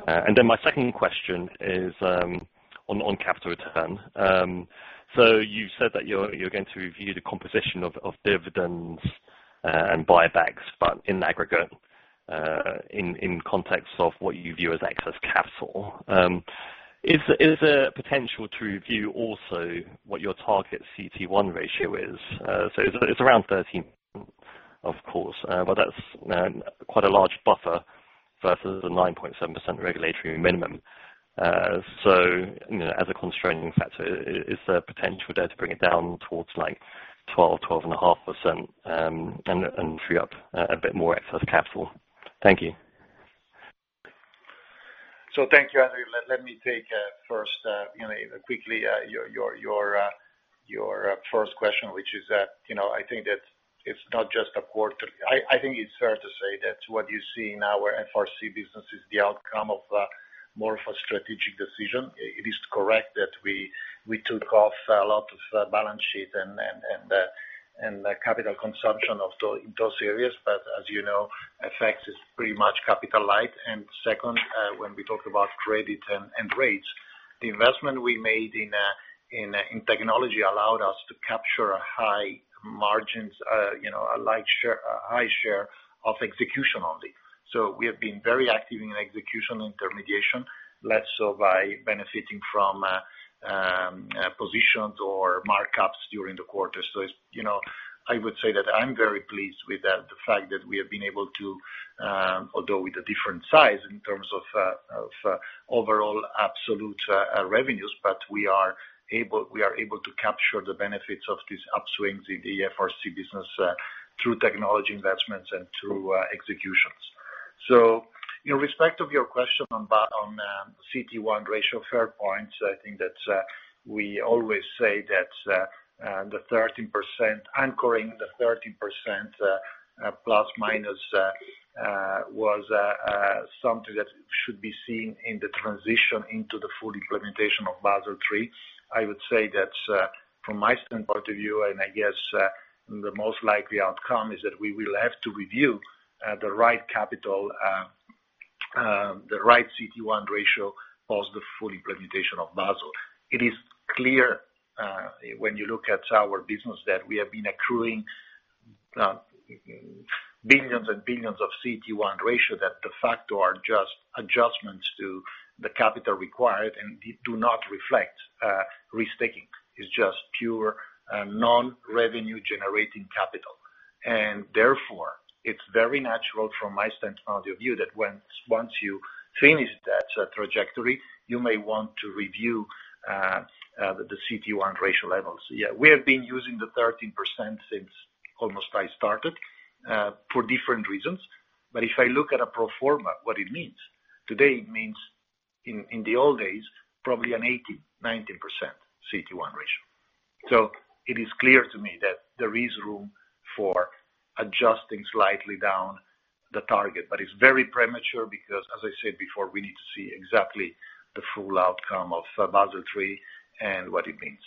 My second question is on capital return. You said that you're going to review the composition of dividends and buybacks, but in aggregate, in context of what you view as excess capital. Is there potential to review also what your target CT1 ratio is? It's around 13, of course, but that's quite a large buffer versus the 9.7% regulatory minimum. As a constraining factor, is there potential there to bring it down towards 12.5% and free up a bit more excess capital? Thank you. Thank you, Andrew. Let me take first, quickly your first question, which is that, I think that it's not just a quarter. I think it's fair to say that what you see now where FRC business is the outcome of more of a strategic decision. It is correct that we took off a lot of balance sheet and capital consumption in those areas. As you know, FX is pretty much capital light. Second, when we talk about credit and rates, the investment we made in technology allowed us to capture a high margins, a high share of execution only. We have been very active in execution intermediation, less so by benefiting from positions or markups during the quarter. I would say that I'm very pleased with the fact that we have been able to, although with a different size in terms of overall absolute revenues, but we are able to capture the benefits of this upswing in the FRC business through technology investments and through executions. In respect of your question on CT1 ratio, fair point. I think that we always say that anchoring the 13% ± was something that should be seen in the transition into the full implementation of Basel III. I would say that from my standpoint of view, and I guess the most likely outcome is that we will have to review the right capital, the right CT1 ratio post the full implementation of Basel. It is clear when you look at our business that we have been accruing billions and billions of CT1 ratio that de facto are just adjustments to the capital required and do not reflect risk-taking. It's just pure non-revenue generating capital. Therefore, it's very natural from my standpoint of view that once you finish that trajectory, you may want to review the CT1 ratio levels. Yeah, we have been using the 13% since almost I started, for different reasons. If I look at a pro forma, what it means? Today, it means, in the old days, probably an 80%, 90% CT1 ratio. It is clear to me that there is room for adjusting slightly down the target, but it's very premature because, as I said before, we need to see exactly the full outcome of Basel III and what it means.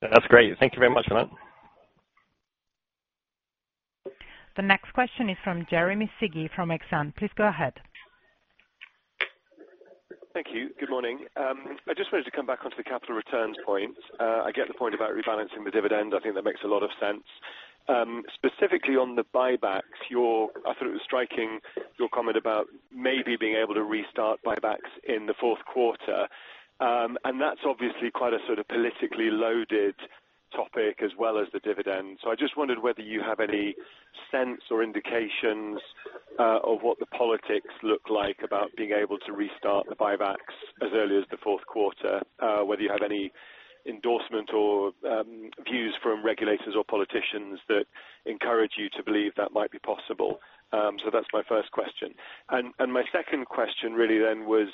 That's great. Thank you very much for that. The next question is from Jeremy Sigee from Exane. Please go ahead. Thank you. Good morning. I just wanted to come back onto the capital returns point. I get the point about rebalancing the dividend. I think that makes a lot of sense. Specifically on the buybacks, I thought it was striking your comment about maybe being able to restart buybacks in the fourth quarter. That's obviously quite a sort of politically loaded topic as well as the dividend. I just wondered whether you have any sense or indications of what the politics look like about being able to restart the buybacks as early as the fourth quarter, whether you have any endorsement or views from regulators or politicians that encourage you to believe that might be possible. That's my first question. My second question really was,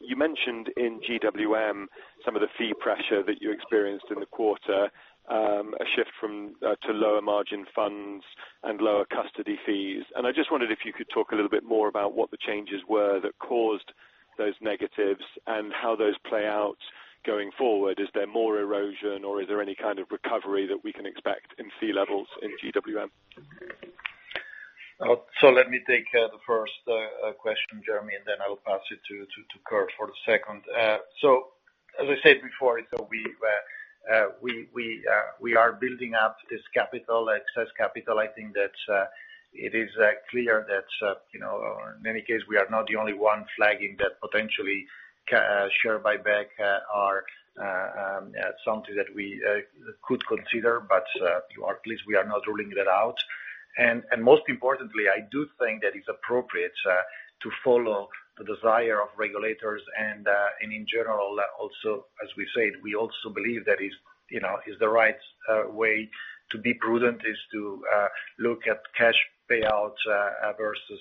you mentioned in GWM some of the fee pressure that you experienced in the quarter, a shift to lower margin funds and lower custody fees. I just wondered if you could talk a little bit more about what the changes were that caused those negatives and how those play out going forward. Is there more erosion or is there any kind of recovery that we can expect in fee levels in GWM? Let me take the first question, Jeremy, and then I will pass it to Kurt for the second. As I said before, we are building up this capital, excess capital. I think that it is clear that, in any case, we are not the only one flagging that potentially share buyback are something that we could consider, but at least we are not ruling that out. Most importantly, I do think that it's appropriate to follow the desire of regulators and, in general, also, as we said, we also believe that is the right way to be prudent is to look at cash payouts versus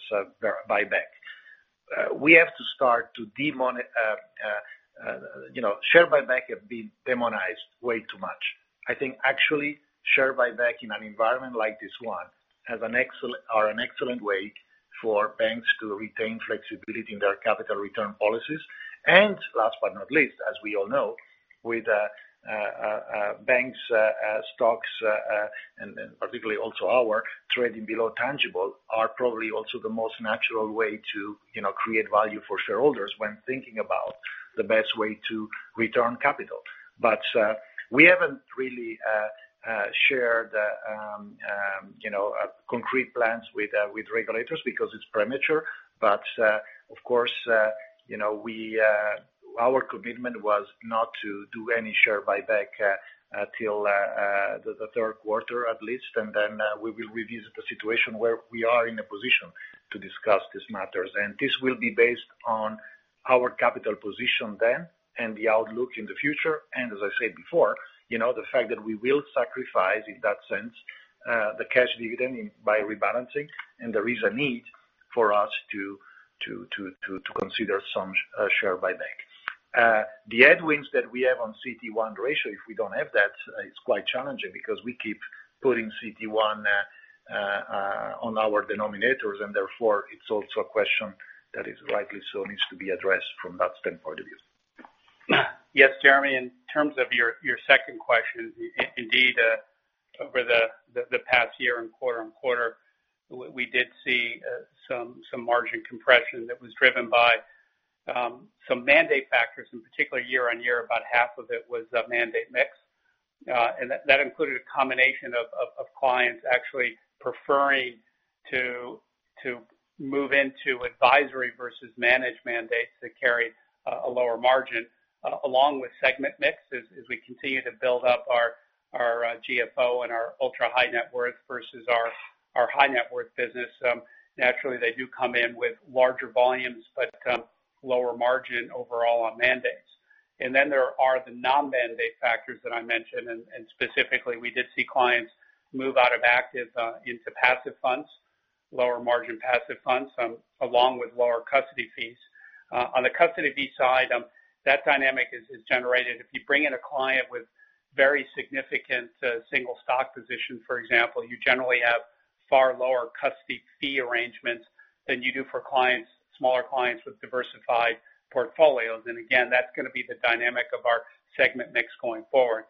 buyback. Share buyback have been demonized way too much. I think actually, share buyback in an environment like this one are an excellent way for banks to retain flexibility in their capital return policies. Last but not least, as we all know, with banks stocks, and particularly also our trading below tangible, are probably also the most natural way to create value for shareholders when thinking about the best way to return capital. We haven't really shared concrete plans with regulators because it's premature. Of course, our commitment was not to do any share buyback till the third quarter at least, and then we will revisit the situation where we are in a position to discuss these matters. This will be based on our capital position then and the outlook in the future. As I said before, the fact that we will sacrifice, in that sense, the cash dividend by rebalancing, and there is a need for us to consider some share buyback. The headwinds that we have on CT1 ratio, if we don't have that, it's quite challenging because we keep putting CT1 on our denominators. Therefore it's also a question that is likely still needs to be addressed from that standpoint of view. Yes, Jeremy, in terms of your second question, indeed, over the past year and quarter-on-quarter, we did see some margin compression that was driven by some mandate factors, in particular year-on-year, about half of it was mandate mix. That included a combination of clients actually preferring to move into advisory versus managed mandates that carry a lower margin, along with segment mix as we continue to build up our GFO and our ultra-high net worth versus our high net worth business. Naturally, they do come in with larger volumes, but lower margin overall on mandates. There are the non-mandate factors that I mentioned, and specifically, we did see clients move out of active into passive funds, lower margin passive funds, along with lower custody fees. On the custody fee side, that dynamic is generated. If you bring in a client with very significant single stock position, for example, you generally have far lower custody fee arrangements than you do for clients, smaller clients with diversified portfolios. That's going to be the dynamic of our segment mix going forward.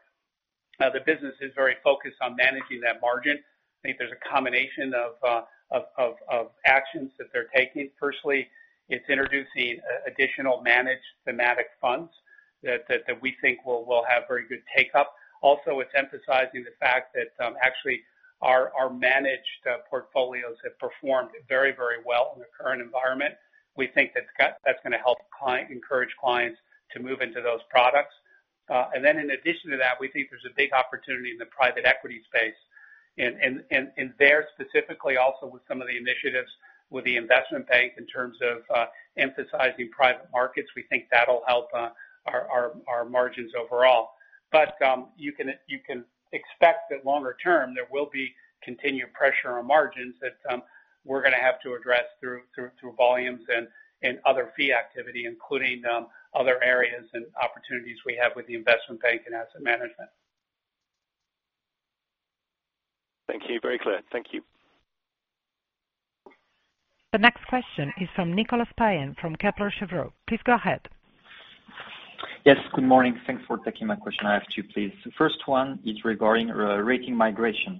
The business is very focused on managing that margin. I think there's a combination of actions that they're taking. Firstly, it's introducing additional managed thematic funds that we think will have very good take-up. Also, it's emphasizing the fact that actually our managed portfolios have performed very well in the current environment. We think that's going to help encourage clients to move into those products. In addition to that, we think there's a big opportunity in the private equity space. There specifically also with some of the initiatives with the Investment Bank in terms of emphasizing private markets, we think that'll help our margins overall. You can expect that longer term, there will be continued pressure on margins that we're going to have to address through volumes and other fee activity, including other areas and opportunities we have with the Investment Bank and Asset Management. Thank you. Very clear. Thank you. The next question is from Nicolas Payen from Kepler Cheuvreux. Please go ahead. Yes, good morning. Thanks for taking my question. I have two, please. The first one is regarding rating migration.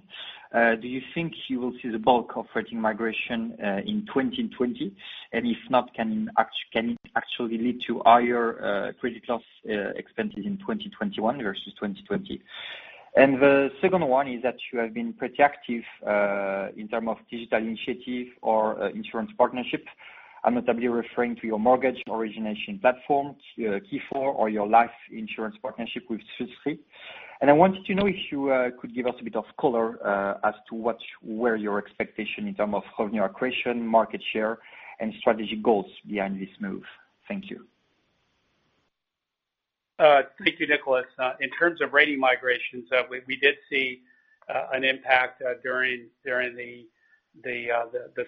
Do you think you will see the bulk of rating migration in 2020? If not, can it actually lead to higher Credit Loss Expenses in 2021 versus 2020? The second one is that you have been pretty active in terms of digital initiative or insurance partnership. I'm notably referring to your mortgage origination platform, key4, or your life insurance partnership with Swiss Re. I wanted to know if you could give us a bit of color as to what were your expectation in terms of growing your accretion, market share, and strategic goals behind this move. Thank you. Thank you, Nicolas. In terms of rating migrations, we did see an impact during the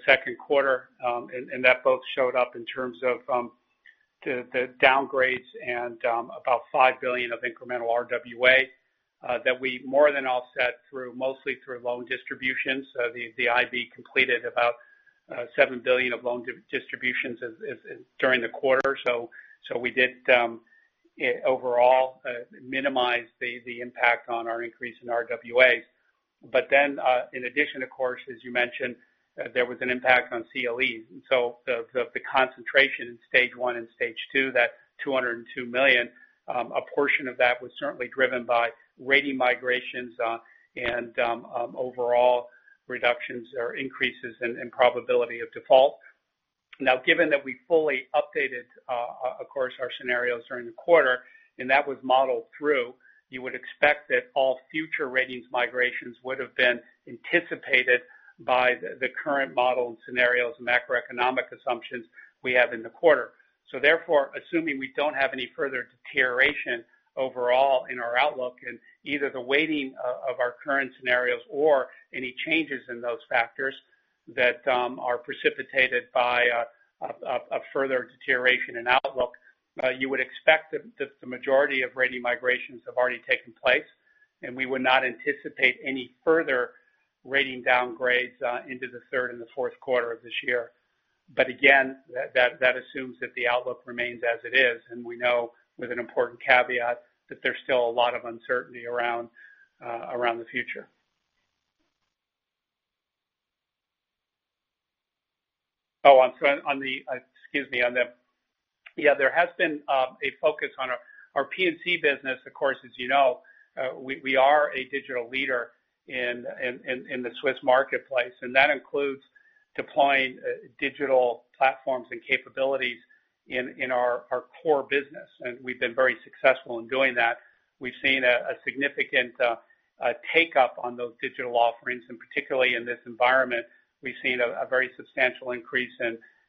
second quarter, that both showed up in terms of the downgrades and about $5 billion of incremental RWA that we more than offset mostly through loan distributions. The IB completed about $7 billion of loan distributions during the quarter. We did overall minimize the impact on our increase in RWAs. In addition, of course, as you mentioned, there was an impact on CLEs. The concentration in stage 1 and stage 2, that $202 million, a portion of that was certainly driven by rating migrations and overall reductions or increases in probability of default. Given that we fully updated our scenarios during the quarter, and that was modeled through, you would expect that all future ratings migrations would have been anticipated by the current model and scenarios and macroeconomic assumptions we have in the quarter. Therefore, assuming we don't have any further deterioration overall in our outlook and either the weighting of our current scenarios or any changes in those factors that are precipitated by a further deterioration in outlook, you would expect that the majority of rating migrations have already taken place, and we would not anticipate any further rating downgrades into the third and the fourth quarter of this year. Again, that assumes that the outlook remains as it is. We know, with an important caveat, that there's still a lot of uncertainty around the future. There has been a focus on our P&C business, of course, as you know. We are a digital leader in the Swiss marketplace, and that includes deploying digital platforms and capabilities in our core business. We've been very successful in doing that. We've seen a significant take-up on those digital offerings, and particularly in this environment, we've seen a very substantial increase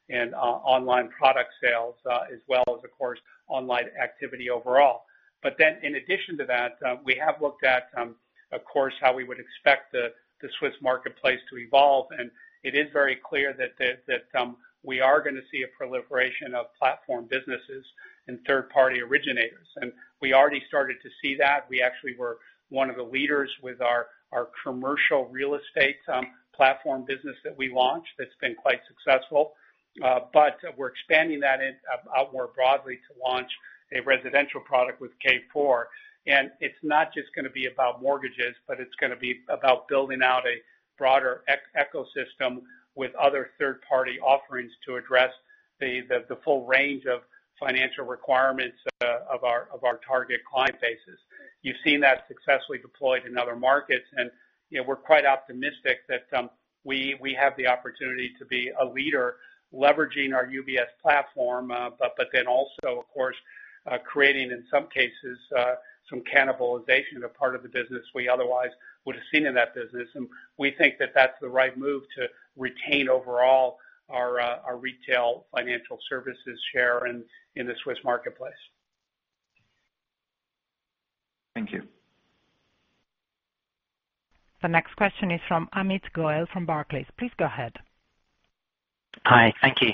in online product sales as well as, of course, online activity overall. In addition to that, we have looked at how we would expect the Swiss marketplace to evolve. It is very clear that we are going to see a proliferation of platform businesses and third-party originators. We already started to see that. We actually were one of the leaders with our commercial real estate platform business that we launched that's been quite successful. We're expanding that out more broadly to launch a residential product with key4. It's not just going to be about mortgages, but it's going to be about building out a broader ecosystem with other third-party offerings to address the full range of financial requirements of our target client bases. You've seen that successfully deployed in other markets, and we're quite optimistic that we have the opportunity to be a leader leveraging our UBS platform, but then also creating, in some cases, some cannibalization of part of the business we otherwise would have seen in that business. We think that that's the right move to retain overall our retail financial services share in the Swiss marketplace. Thank you. The next question is from Amit Goel from Barclays. Please go ahead. Hi. Thank you.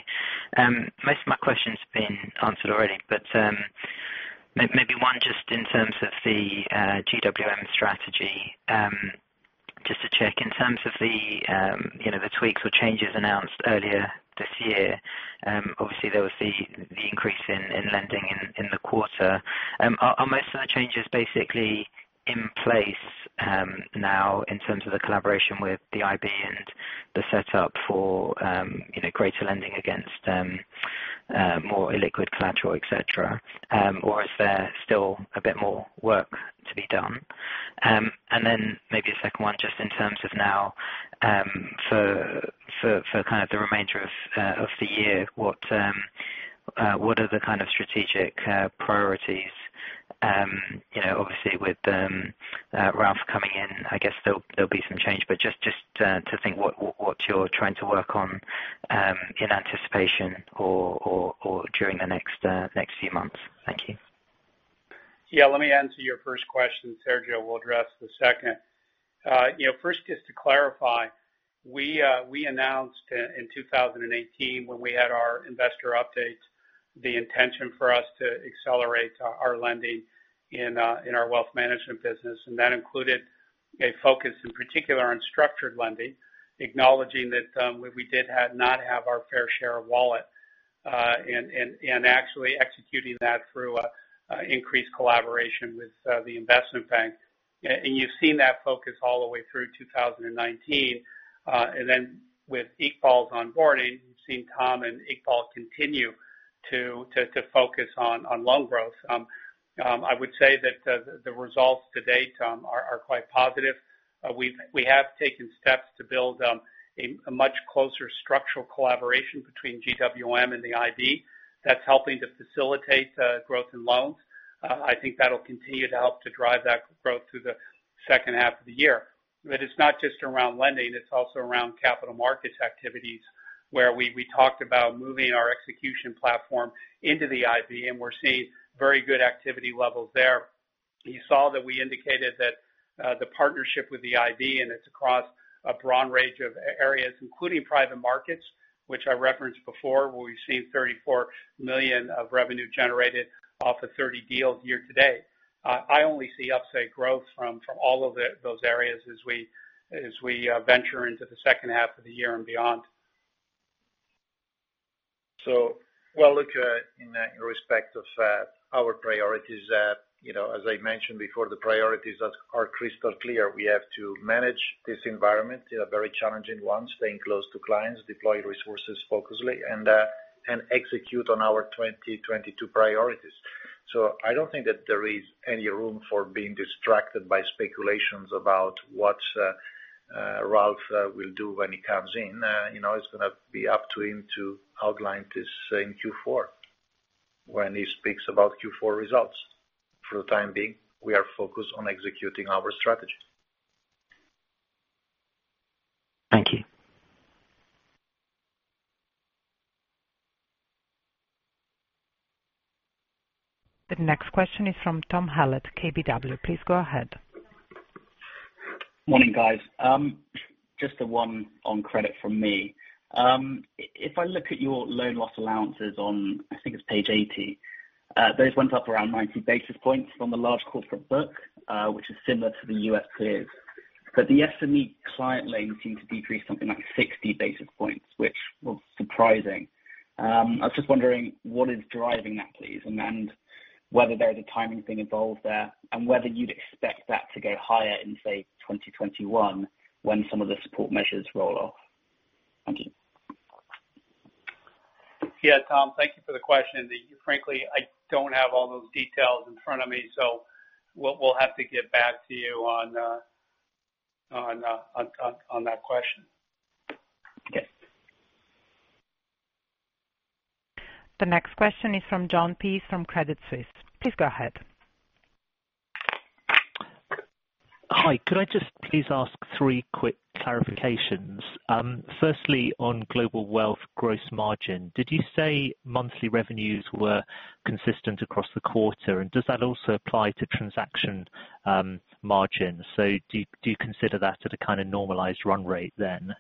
Most of my question's been answered already. Maybe one just in terms of the GWM strategy. Just to check, in terms of the tweaks or changes announced earlier this year, obviously there was the increase in lending in the quarter. Are most of the changes basically in place now in terms of the collaboration with the IB and the setup for greater lending, more illiquid collateral, et cetera. Is there still a bit more work to be done? Maybe a second one just in terms of now for the remainder of the year, what are the kind of strategic priorities? Obviously with Ralph coming in, I guess there'll be some change. Just to think what you're trying to work on in anticipation or during the next few months. Thank you. Yeah. Let me answer your first question, Sergio. We'll address the second. Just to clarify, we announced in 2018 when we had our investor update, the intention for us to Accelerate our lending in our wealth management business, that included a focus in particular on structured lending, acknowledging that we did not have our fair share of wallet, actually executing that through increased collaboration with the investment bank. You've seen that focus all the way through 2019. With Iqbal's onboarding, you've seen Tom and Iqbal continue to focus on loan growth. I would say that the results to date are quite positive. We have taken steps to build a much closer structural collaboration between GWM and the IB that's helping to facilitate growth in loans. I think that'll continue to help to drive that growth through the second half of the year. It's not just around lending, it's also around capital markets activities, where we talked about moving our execution platform into the IB, and we're seeing very good activity levels there. You saw that we indicated that the partnership with the IB, and it's across a broad range of areas, including private markets, which I referenced before, where we've seen $34 million of revenue generated off of 30 deals year to date. I only see upside growth from all of those areas as we venture into the second half of the year and beyond. Well, look, in respect of our priorities, as I mentioned before, the priorities are crystal clear. We have to manage this environment in a very challenging one, staying close to clients, deploy resources focusedly, and execute on our 2022 priorities. I don't think that there is any room for being distracted by speculations about what Ralph will do when he comes in. It's going to be up to him to outline this in Q4 when he speaks about Q4 results. For the time being, we are focused on executing our strategy. Thank you. The next question is from Tom Hallett, KBW. Please go ahead. Morning, guys. Just the one on credit from me. If I look at your loan loss allowances on, I think it's page 80, those went up around 90 basis points from the large corporate book, which is similar to the U.S. peers. The SME client loans seem to decrease something like 60 basis points, which was surprising. I was just wondering what is driving that, please, and whether there's a timing thing involved there, and whether you'd expect that to go higher in, say, 2021, when some of the support measures roll off. Thank you. Yeah, Tom, thank you for the question. Frankly, I don't have all those details in front of me, so we'll have to get back to you on that question. Okay. The next question is from Jon Peace from Credit Suisse. Please go ahead. Hi. Could I just please ask three quick clarifications? Firstly, on Global Wealth Management gross margin, did you say monthly revenues were consistent across the quarter? Does that also apply to transaction margins? Do you consider that at a kind of normalized run rate then?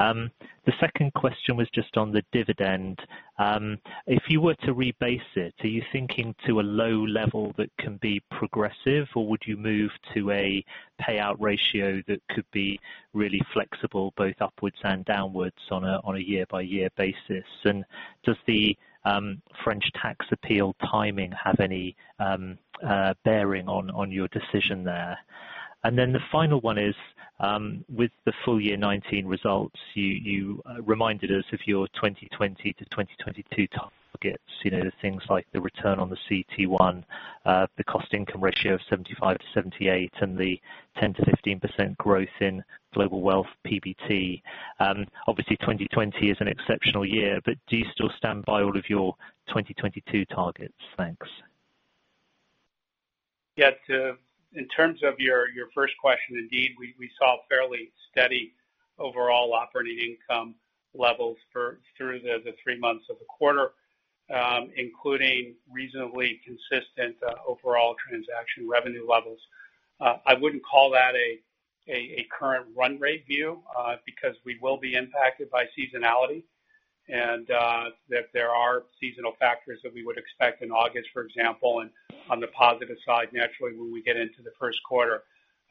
The second question was just on the dividend. If you were to rebase it, are you thinking to a low level that can be progressive, or would you move to a payout ratio that could be really flexible both upwards and downwards on a year-by-year basis? Does the French tax appeal timing have any bearing on your decision there? The final one is, with the full year 2019 results, you reminded us of your 2020 to 2022 targets. The things like the return on the CET1, the cost income ratio of 75%-78%, and the 10%-15% growth in Global Wealth PBT. Obviously, 2020 is an exceptional year, but do you still stand by all of your 2022 targets? Thanks. Yeah. In terms of your first question, indeed, we saw fairly steady overall operating income levels through the three months of the quarter, including reasonably consistent overall transaction revenue levels. I wouldn't call that a current run rate view because we will be impacted by seasonality, and that there are seasonal factors that we would expect in August, for example, and on the positive side, naturally when we get into the first quarter.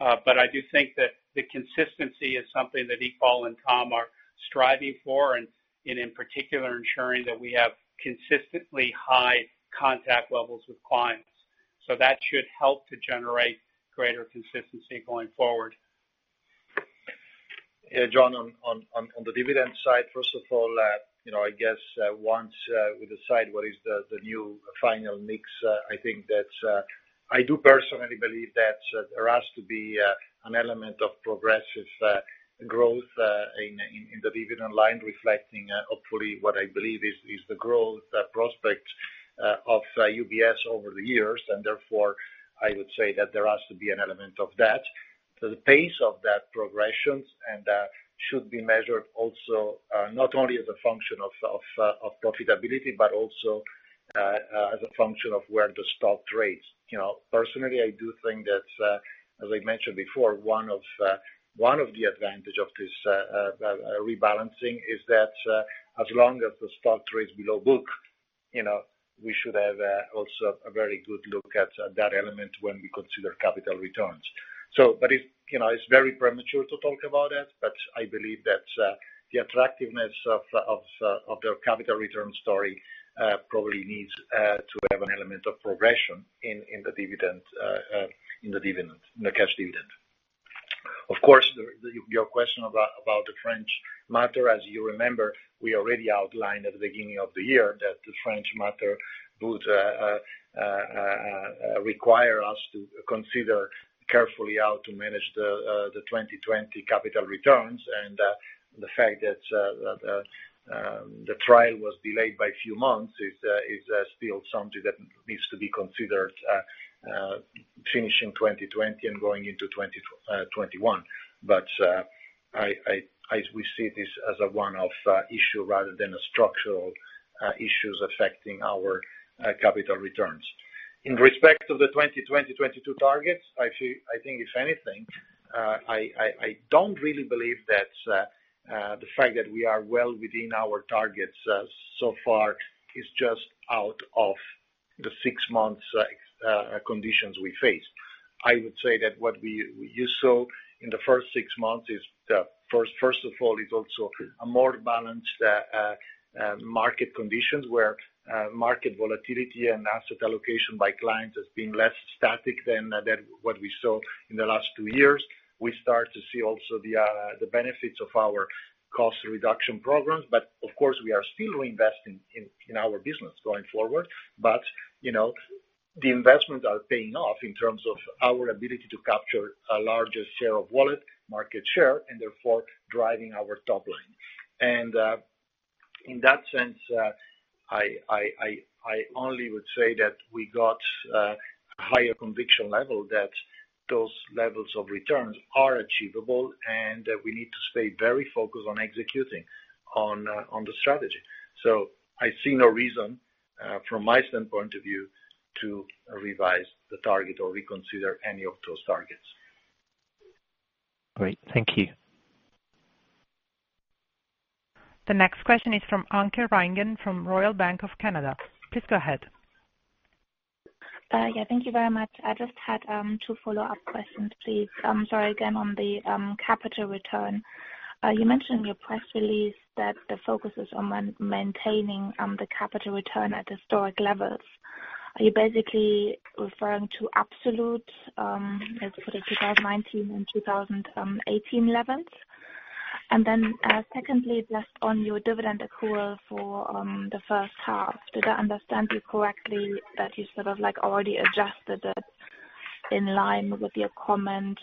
I do think that the consistency is something that Iqbal and Tom are striving for, and in particular ensuring that we have consistently high contact levels with clients. That should help to generate greater consistency going forward. Yeah, Jon, on the dividend side, first of all, I guess once we decide what is the new final mix, I do personally believe that there has to be an element of progressive growth in the dividend line reflecting hopefully what I believe is the growth prospect of UBS over the years, and therefore I would say that there has to be an element of that. The pace of that progression should be measured also not only as a function of profitability, but also as a function of where the stock trades. Personally, I do think that, as I mentioned before, one of the advantage of this rebalancing is that as long as the stock trades below book, we should have also a very good look at that element when we consider capital returns. It's very premature to talk about it, but I believe that the attractiveness of the capital return story probably needs to have an element of progression in the cash dividend. Of course, your question about the French matter, as you remember, we already outlined at the beginning of the year that the French matter would require us to consider carefully how to manage the 2020 capital returns, and the fact that the trial was delayed by a few months is still something that needs to be considered finishing 2020 and going into 2021. We see this as a one-off issue rather than a structural issues affecting our capital returns. In respect of the 2020, '22 targets, I think if anything, I don't really believe that the fact that we are well within our targets so far is just out of the six months conditions we face. I would say that what we saw in the first six months is, first of all, is also a more balanced market conditions, where market volatility and asset allocation by clients has been less static than what we saw in the last two years. We start to see also the benefits of our cost reduction programs. Of course, we are still investing in our business going forward. The investments are paying off in terms of our ability to capture a larger share of wallet, market share, and therefore driving our top line. In that sense, I only would say that we got a higher conviction level that those levels of returns are achievable, and we need to stay very focused on executing on the strategy. I see no reason from my standpoint of view to revise the target or reconsider any of those targets. Great. Thank you. The next question is from Anke Reingen from Royal Bank of Canada. Please go ahead. Yeah. Thank you very much. I just had two follow-up questions, please. Sorry, again, on the capital return. You mentioned in your press release that the focus is on maintaining the capital return at historic levels. Are you basically referring to absolute, let's put it 2019 and 2018 levels? Secondly, just on your dividend accrual for the first half, did I understand you correctly that you sort of like already adjusted it in line with your comment,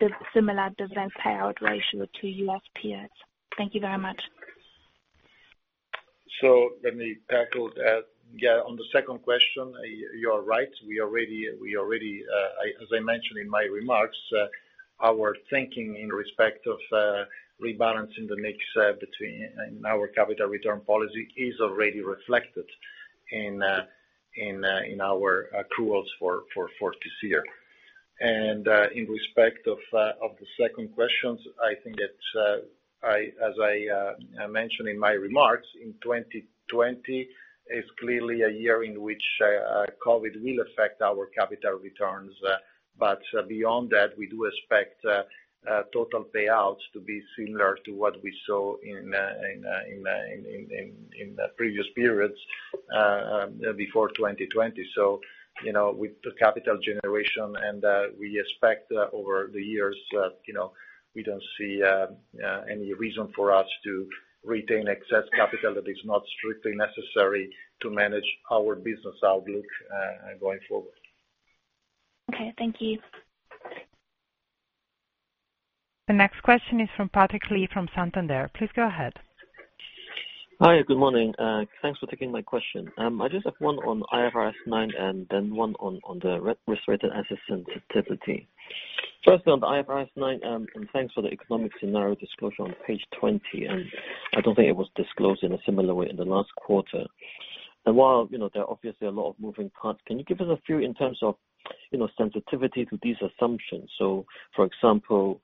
the similar dividend payout ratio to U.S. peers? Thank you very much. Let me tackle that. Yeah, on the second question, you are right. As I mentioned in my remarks, our thinking in respect of rebalancing the mix between our capital return policy is already reflected in our accruals for this year. In respect of the second questions, I think that as I mentioned in my remarks, 2020 is clearly a year in which COVID will affect our capital returns. Beyond that, we do expect total payouts to be similar to what we saw in the previous periods before 2020. With the capital generation, and we expect over the years, we don't see any reason for us to retain excess capital that is not strictly necessary to manage our business outlook going forward. Okay. Thank you. The next question is from Patrick Lee from Santander. Please go ahead. Hi. Good morning. Thanks for taking my question. I just have one on IFRS 9 and then one on the risk-weighted asset sensitivity. Firstly, on the IFRS 9, thanks for the economic scenario disclosure on page 20. I don't think it was disclosed in a similar way in the last quarter. While there are obviously a lot of moving parts, can you give us a feel in terms of sensitivity to these assumptions? For example,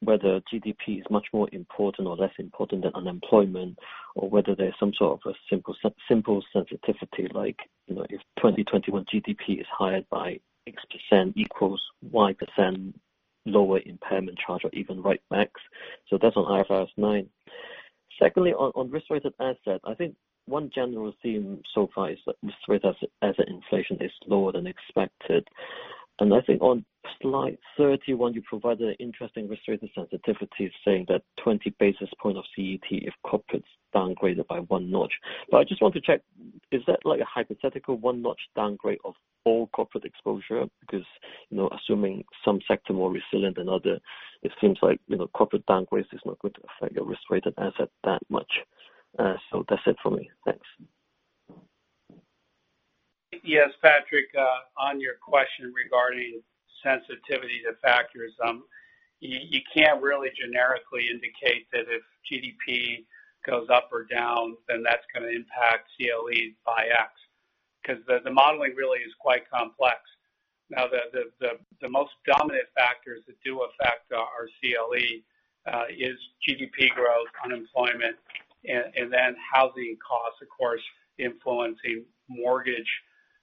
whether GDP is much more important or less important than unemployment, or whether there's some sort of a simple sensitivity like, if 2021 GDP is higher by X% equals Y% lower impairment charge or even write-backs. That's on IFRS 9. Secondly, on risk-weighted assets, I think one general theme so far is that risk-weighted asset inflation is lower than expected. I think on slide 31, you provide an interesting risk-weighted sensitivity saying that 20 basis point of CET if corporate's downgraded by one notch. I just want to check, is that a hypothetical one-notch downgrade of all corporate exposure? Assuming some sector more resilient than other, it seems like corporate downgrade is not going to affect your risk-weighted asset that much. That's it for me. Thanks. Yes, Patrick, on your question regarding sensitivity to factors, you can't really generically indicate that if GDP goes up or down, then that's going to impact CLEs by X, because the modeling really is quite complex. Now, the most dominant factors that do affect our CLE is GDP growth, unemployment, and then housing costs, of course, influencing mortgage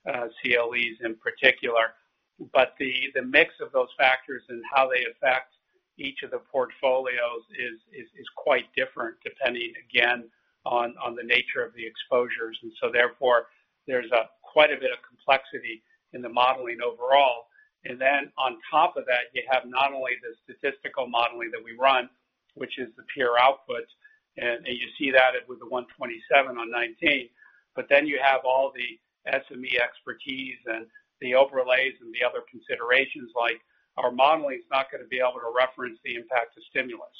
CLEs in particular. The mix of those factors and how they affect each of the portfolios is quite different, depending, again, on the nature of the exposures. Therefore, there's quite a bit of complexity in the modeling overall. On top of that, you have not only the statistical modeling that we run, which is the peer output, and you see that it was the 127 on 2019, but then you have all the SME expertise and the overlays and the other considerations like our modeling is not going to be able to reference the impact of stimulus.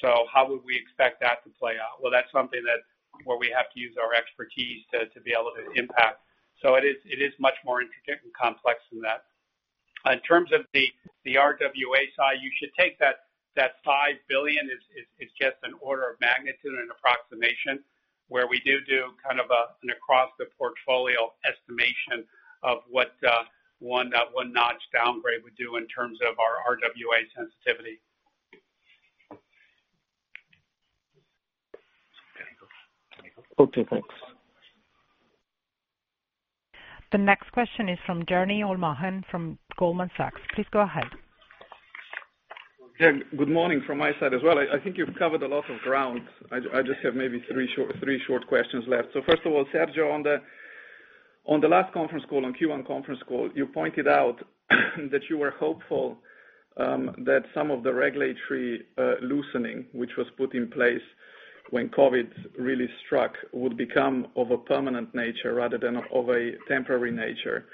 How would we expect that to play out? Well, that's something that where we have to use our expertise to be able to impact. It is much more intricate and complex than that. In terms of the RWA side, you should take that 5 billion is just an order of magnitude and an approximation, where we do kind of an across the portfolio estimation of what one notch downgrade would do in terms of our RWA sensitivity. Okay, thanks. The next question is from Jernej Omahen from Goldman Sachs. Please go ahead. Jernej, good morning from my side as well. I think you've covered a lot of ground. I just have maybe three short questions left. First of all, Sergio, on the last conference call, on Q1 conference call, you pointed out that you were hopeful that some of the regulatory loosening, which was put in place when COVID really struck, would become of a permanent nature rather than of a temporary nature.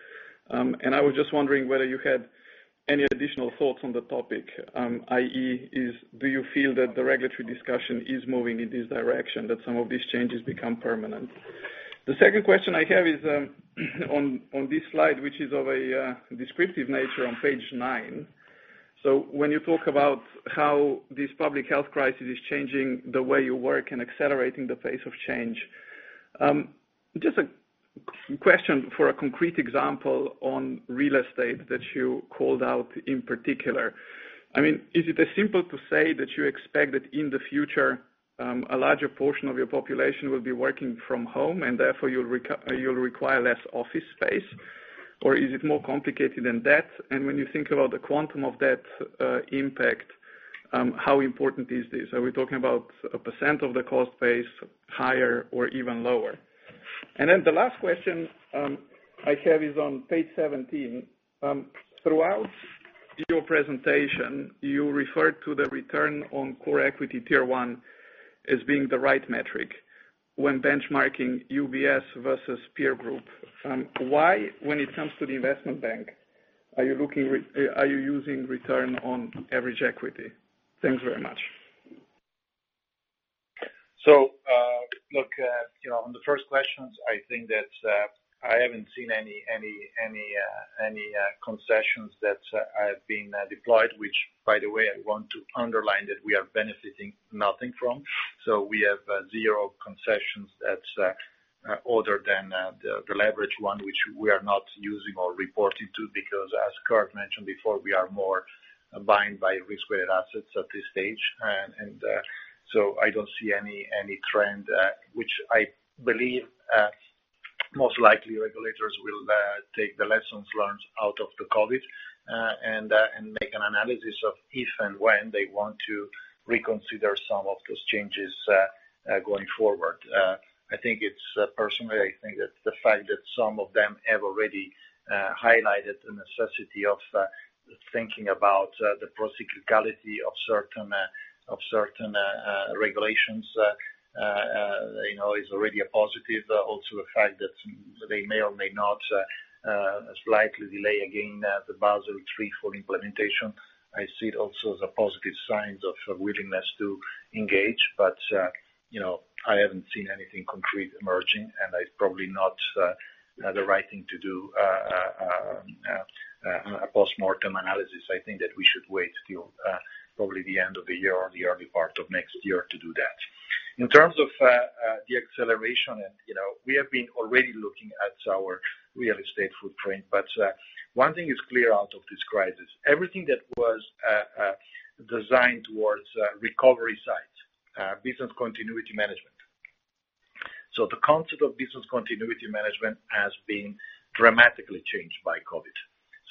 I was just wondering whether you had any additional thoughts on the topic, i.e., do you feel that the regulatory discussion is moving in this direction, that some of these changes become permanent? The second question I have is on this slide, which is of a descriptive nature on page nine. When you talk about how this public health crisis is changing the way you work and accelerating the pace of change, just a question for a concrete example on real estate that you called out in particular. Is it as simple to say that you expect that in the future, a larger portion of your population will be working from home, and therefore you'll require less office space? Is it more complicated than that? When you think about the quantum of that impact, how important is this? Are we talking about a percent of the cost base higher or even lower? The last question I have is on page 17. Throughout your presentation, you referred to the return on core equity Tier 1 as being the right metric when benchmarking UBS versus peer group. Why, when it comes to the Investment Bank, are you using return on average equity? Thanks very much. Look, on the first questions, I think that I haven't seen any concessions that have been deployed, which, by the way, I want to underline that we are benefiting nothing from. We have zero concessions other than the leverage one, which we are not using or reporting to, because, as Kirt mentioned before, we are more bound by risk-weighted assets at this stage. I don't see any trend, which I believe most likely regulators will take the lessons learned out of the COVID, and make an analysis of if and when they want to reconsider some of those changes going forward. Personally, I think that the fact that some of them have already highlighted the necessity of thinking about the procyclicality of certain regulations is already a positive. The fact that they may or may not slightly delay again the Basel III full implementation, I see it also as a positive sign of willingness to engage. I haven't seen anything concrete emerging, and it's probably not the right thing to do a postmortem analysis. I think that we should wait till probably the end of the year or the early part of next year to do that. In terms of the acceleration, we have been already looking at our real estate footprint. One thing is clear out of this crisis. Everything that was designed towards recovery sites, the concept of business continuity management has been dramatically changed by COVID.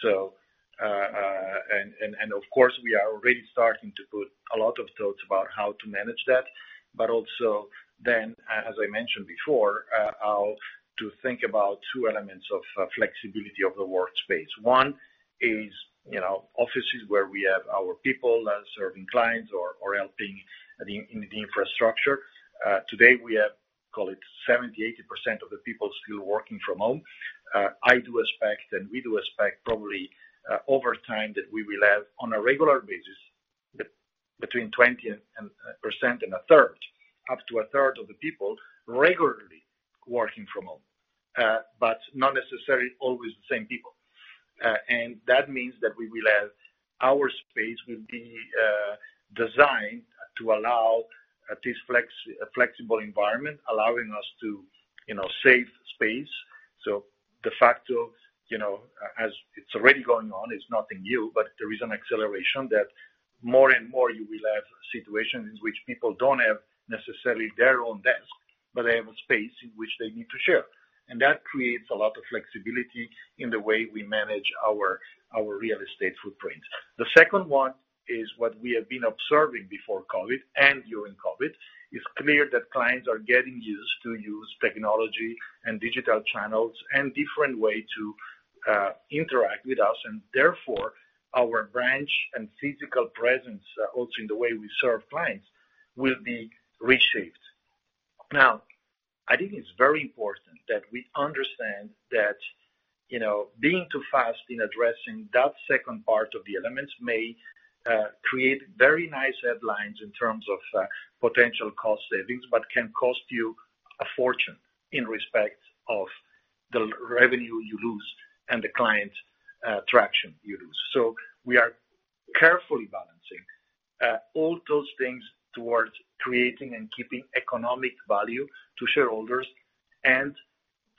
Of course, we are already starting to put a lot of thoughts about how to manage that, but also then, as I mentioned before, how to think about two elements of flexibility of the workspace. One is offices where we have our people serving clients or helping in the infrastructure. Today we have, call it 70%, 80% of the people still working from home. I do expect, and we do expect, probably over time that we will have, on a regular basis, between 20% and a third, up to a third of the people regularly working from home. Not necessarily always the same people. That means that our space will be designed to allow this flexible environment, allowing us to save space. The fact of, as it's already going on, it's nothing new, but there is an acceleration that more and more you will have situations in which people don't have necessarily their own desk, but they have a space in which they need to share. That creates a lot of flexibility in the way we manage our real estate footprint. The second one is what we have been observing before COVID and during COVID. It's clear that clients are getting used to use technology and digital channels and different way to interact with us, and therefore our branch and physical presence, also in the way we serve clients, will be reshaped. I think it's very important that we understand that being too fast in addressing that second part of the elements may create very nice headlines in terms of potential cost savings, but can cost you a fortune in respect of the revenue you lose and the client attraction you lose. We are carefully balancing all those things towards creating and keeping economic value to shareholders and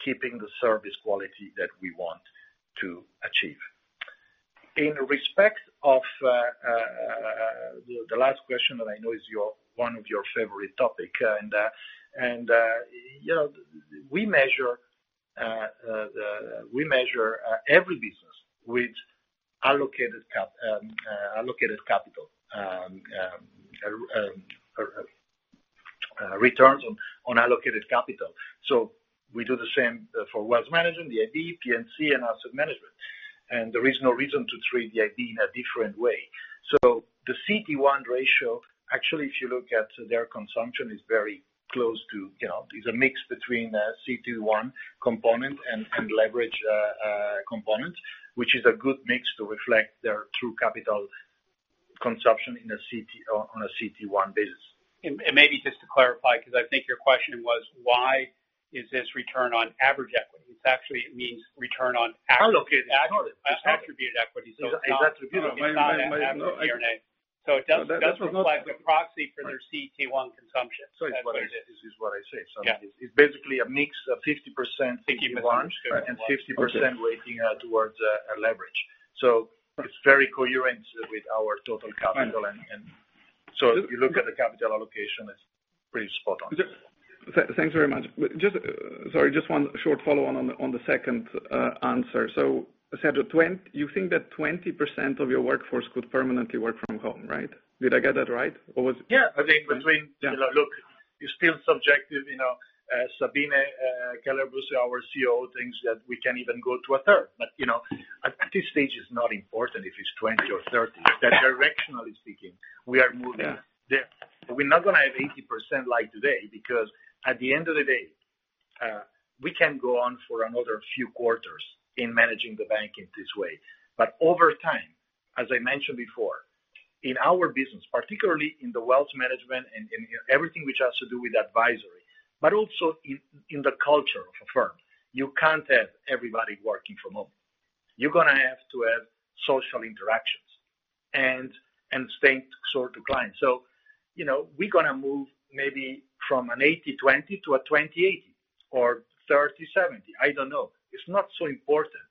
keeping the service quality that we want to achieve. In respect of the last question that I know is one of your favorite topic, and we measure every business with allocated capital, returns on allocated capital. We do the same for Wealth Management, the IB, P&C, and Asset Management. There is no reason to treat the IB in a different way. The CT1 ratio, actually, if you look at their consumption, is a mix between a CT1 component and leverage component, which is a good mix to reflect their true capital consumption on a CT1 basis. Maybe just to clarify, because I think your question was why is this return on average equity? Allocated capital attributed equity. Exactly. It's not average RoAE. It does reflect the proxy for their CT1 consumption, is what it is. This is what I say. Yeah. It's basically a mix of 50% CT1- CT1 50% weighting towards leverage. It's very coherent with our total capital, and so if you look at the capital allocation, it's pretty spot on. Thanks very much. Sorry, just one short follow-on on the second answer. Sergio, you think that 20% of your workforce could permanently work from home, right? Did I get that right? Yeah. I think between, look, it's still subjective. Sabine Keller-Busse, our COO, thinks that we can even go to a third, but at this stage it's not important if it's 20 or 30. Directionally speaking, we are moving there. We're not going to have 80% like today because at the end of the day, we can go on for another few quarters in managing the bank in this way. Over time, as I mentioned before, in our business, particularly in the wealth management and in everything which has to do with advisory, but also in the culture of a firm, you can't have everybody working from home. You're going to have to have social interactions and same sort to clients. We're going to move maybe from an 80/20 to a 20/80 or 30/70. I don't know. It's not so important.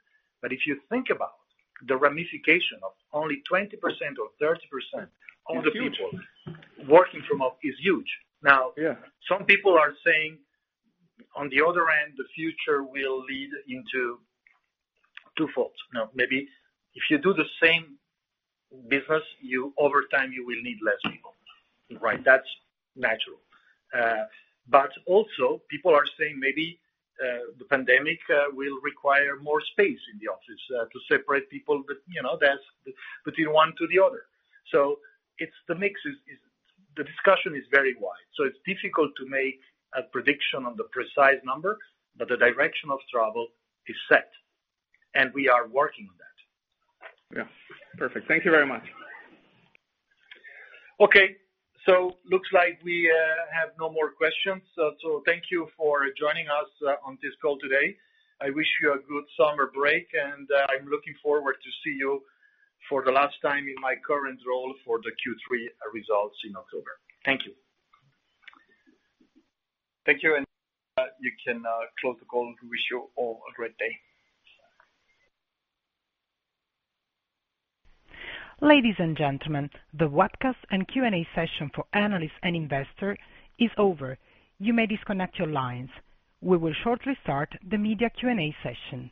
If you think about the ramification of only 20% or 30% of the people It's huge. working from home is huge. Yeah some people are saying on the other end, the future will lead into two folds. Maybe if you do the same business, over time you will need less people. Right. That's natural. Also people are saying maybe, the pandemic will require more space in the office to separate people between one to the other. The mix is, the discussion is very wide, so it's difficult to make a prediction on the precise number, but the direction of travel is set, and we are working on that. Yeah. Perfect. Thank you very much. Okay, looks like we have no more questions. Thank you for joining us on this call today. I wish you a good summer break, and I'm looking forward to see you for the last time in my current role for the Q3 results in October. Thank you. Thank you, and you can close the call. Wish you all a great day. Ladies and gentlemen, the webcast and Q&A session for analysts and investors is over. You may disconnect your lines. We will shortly start the media Q&A session.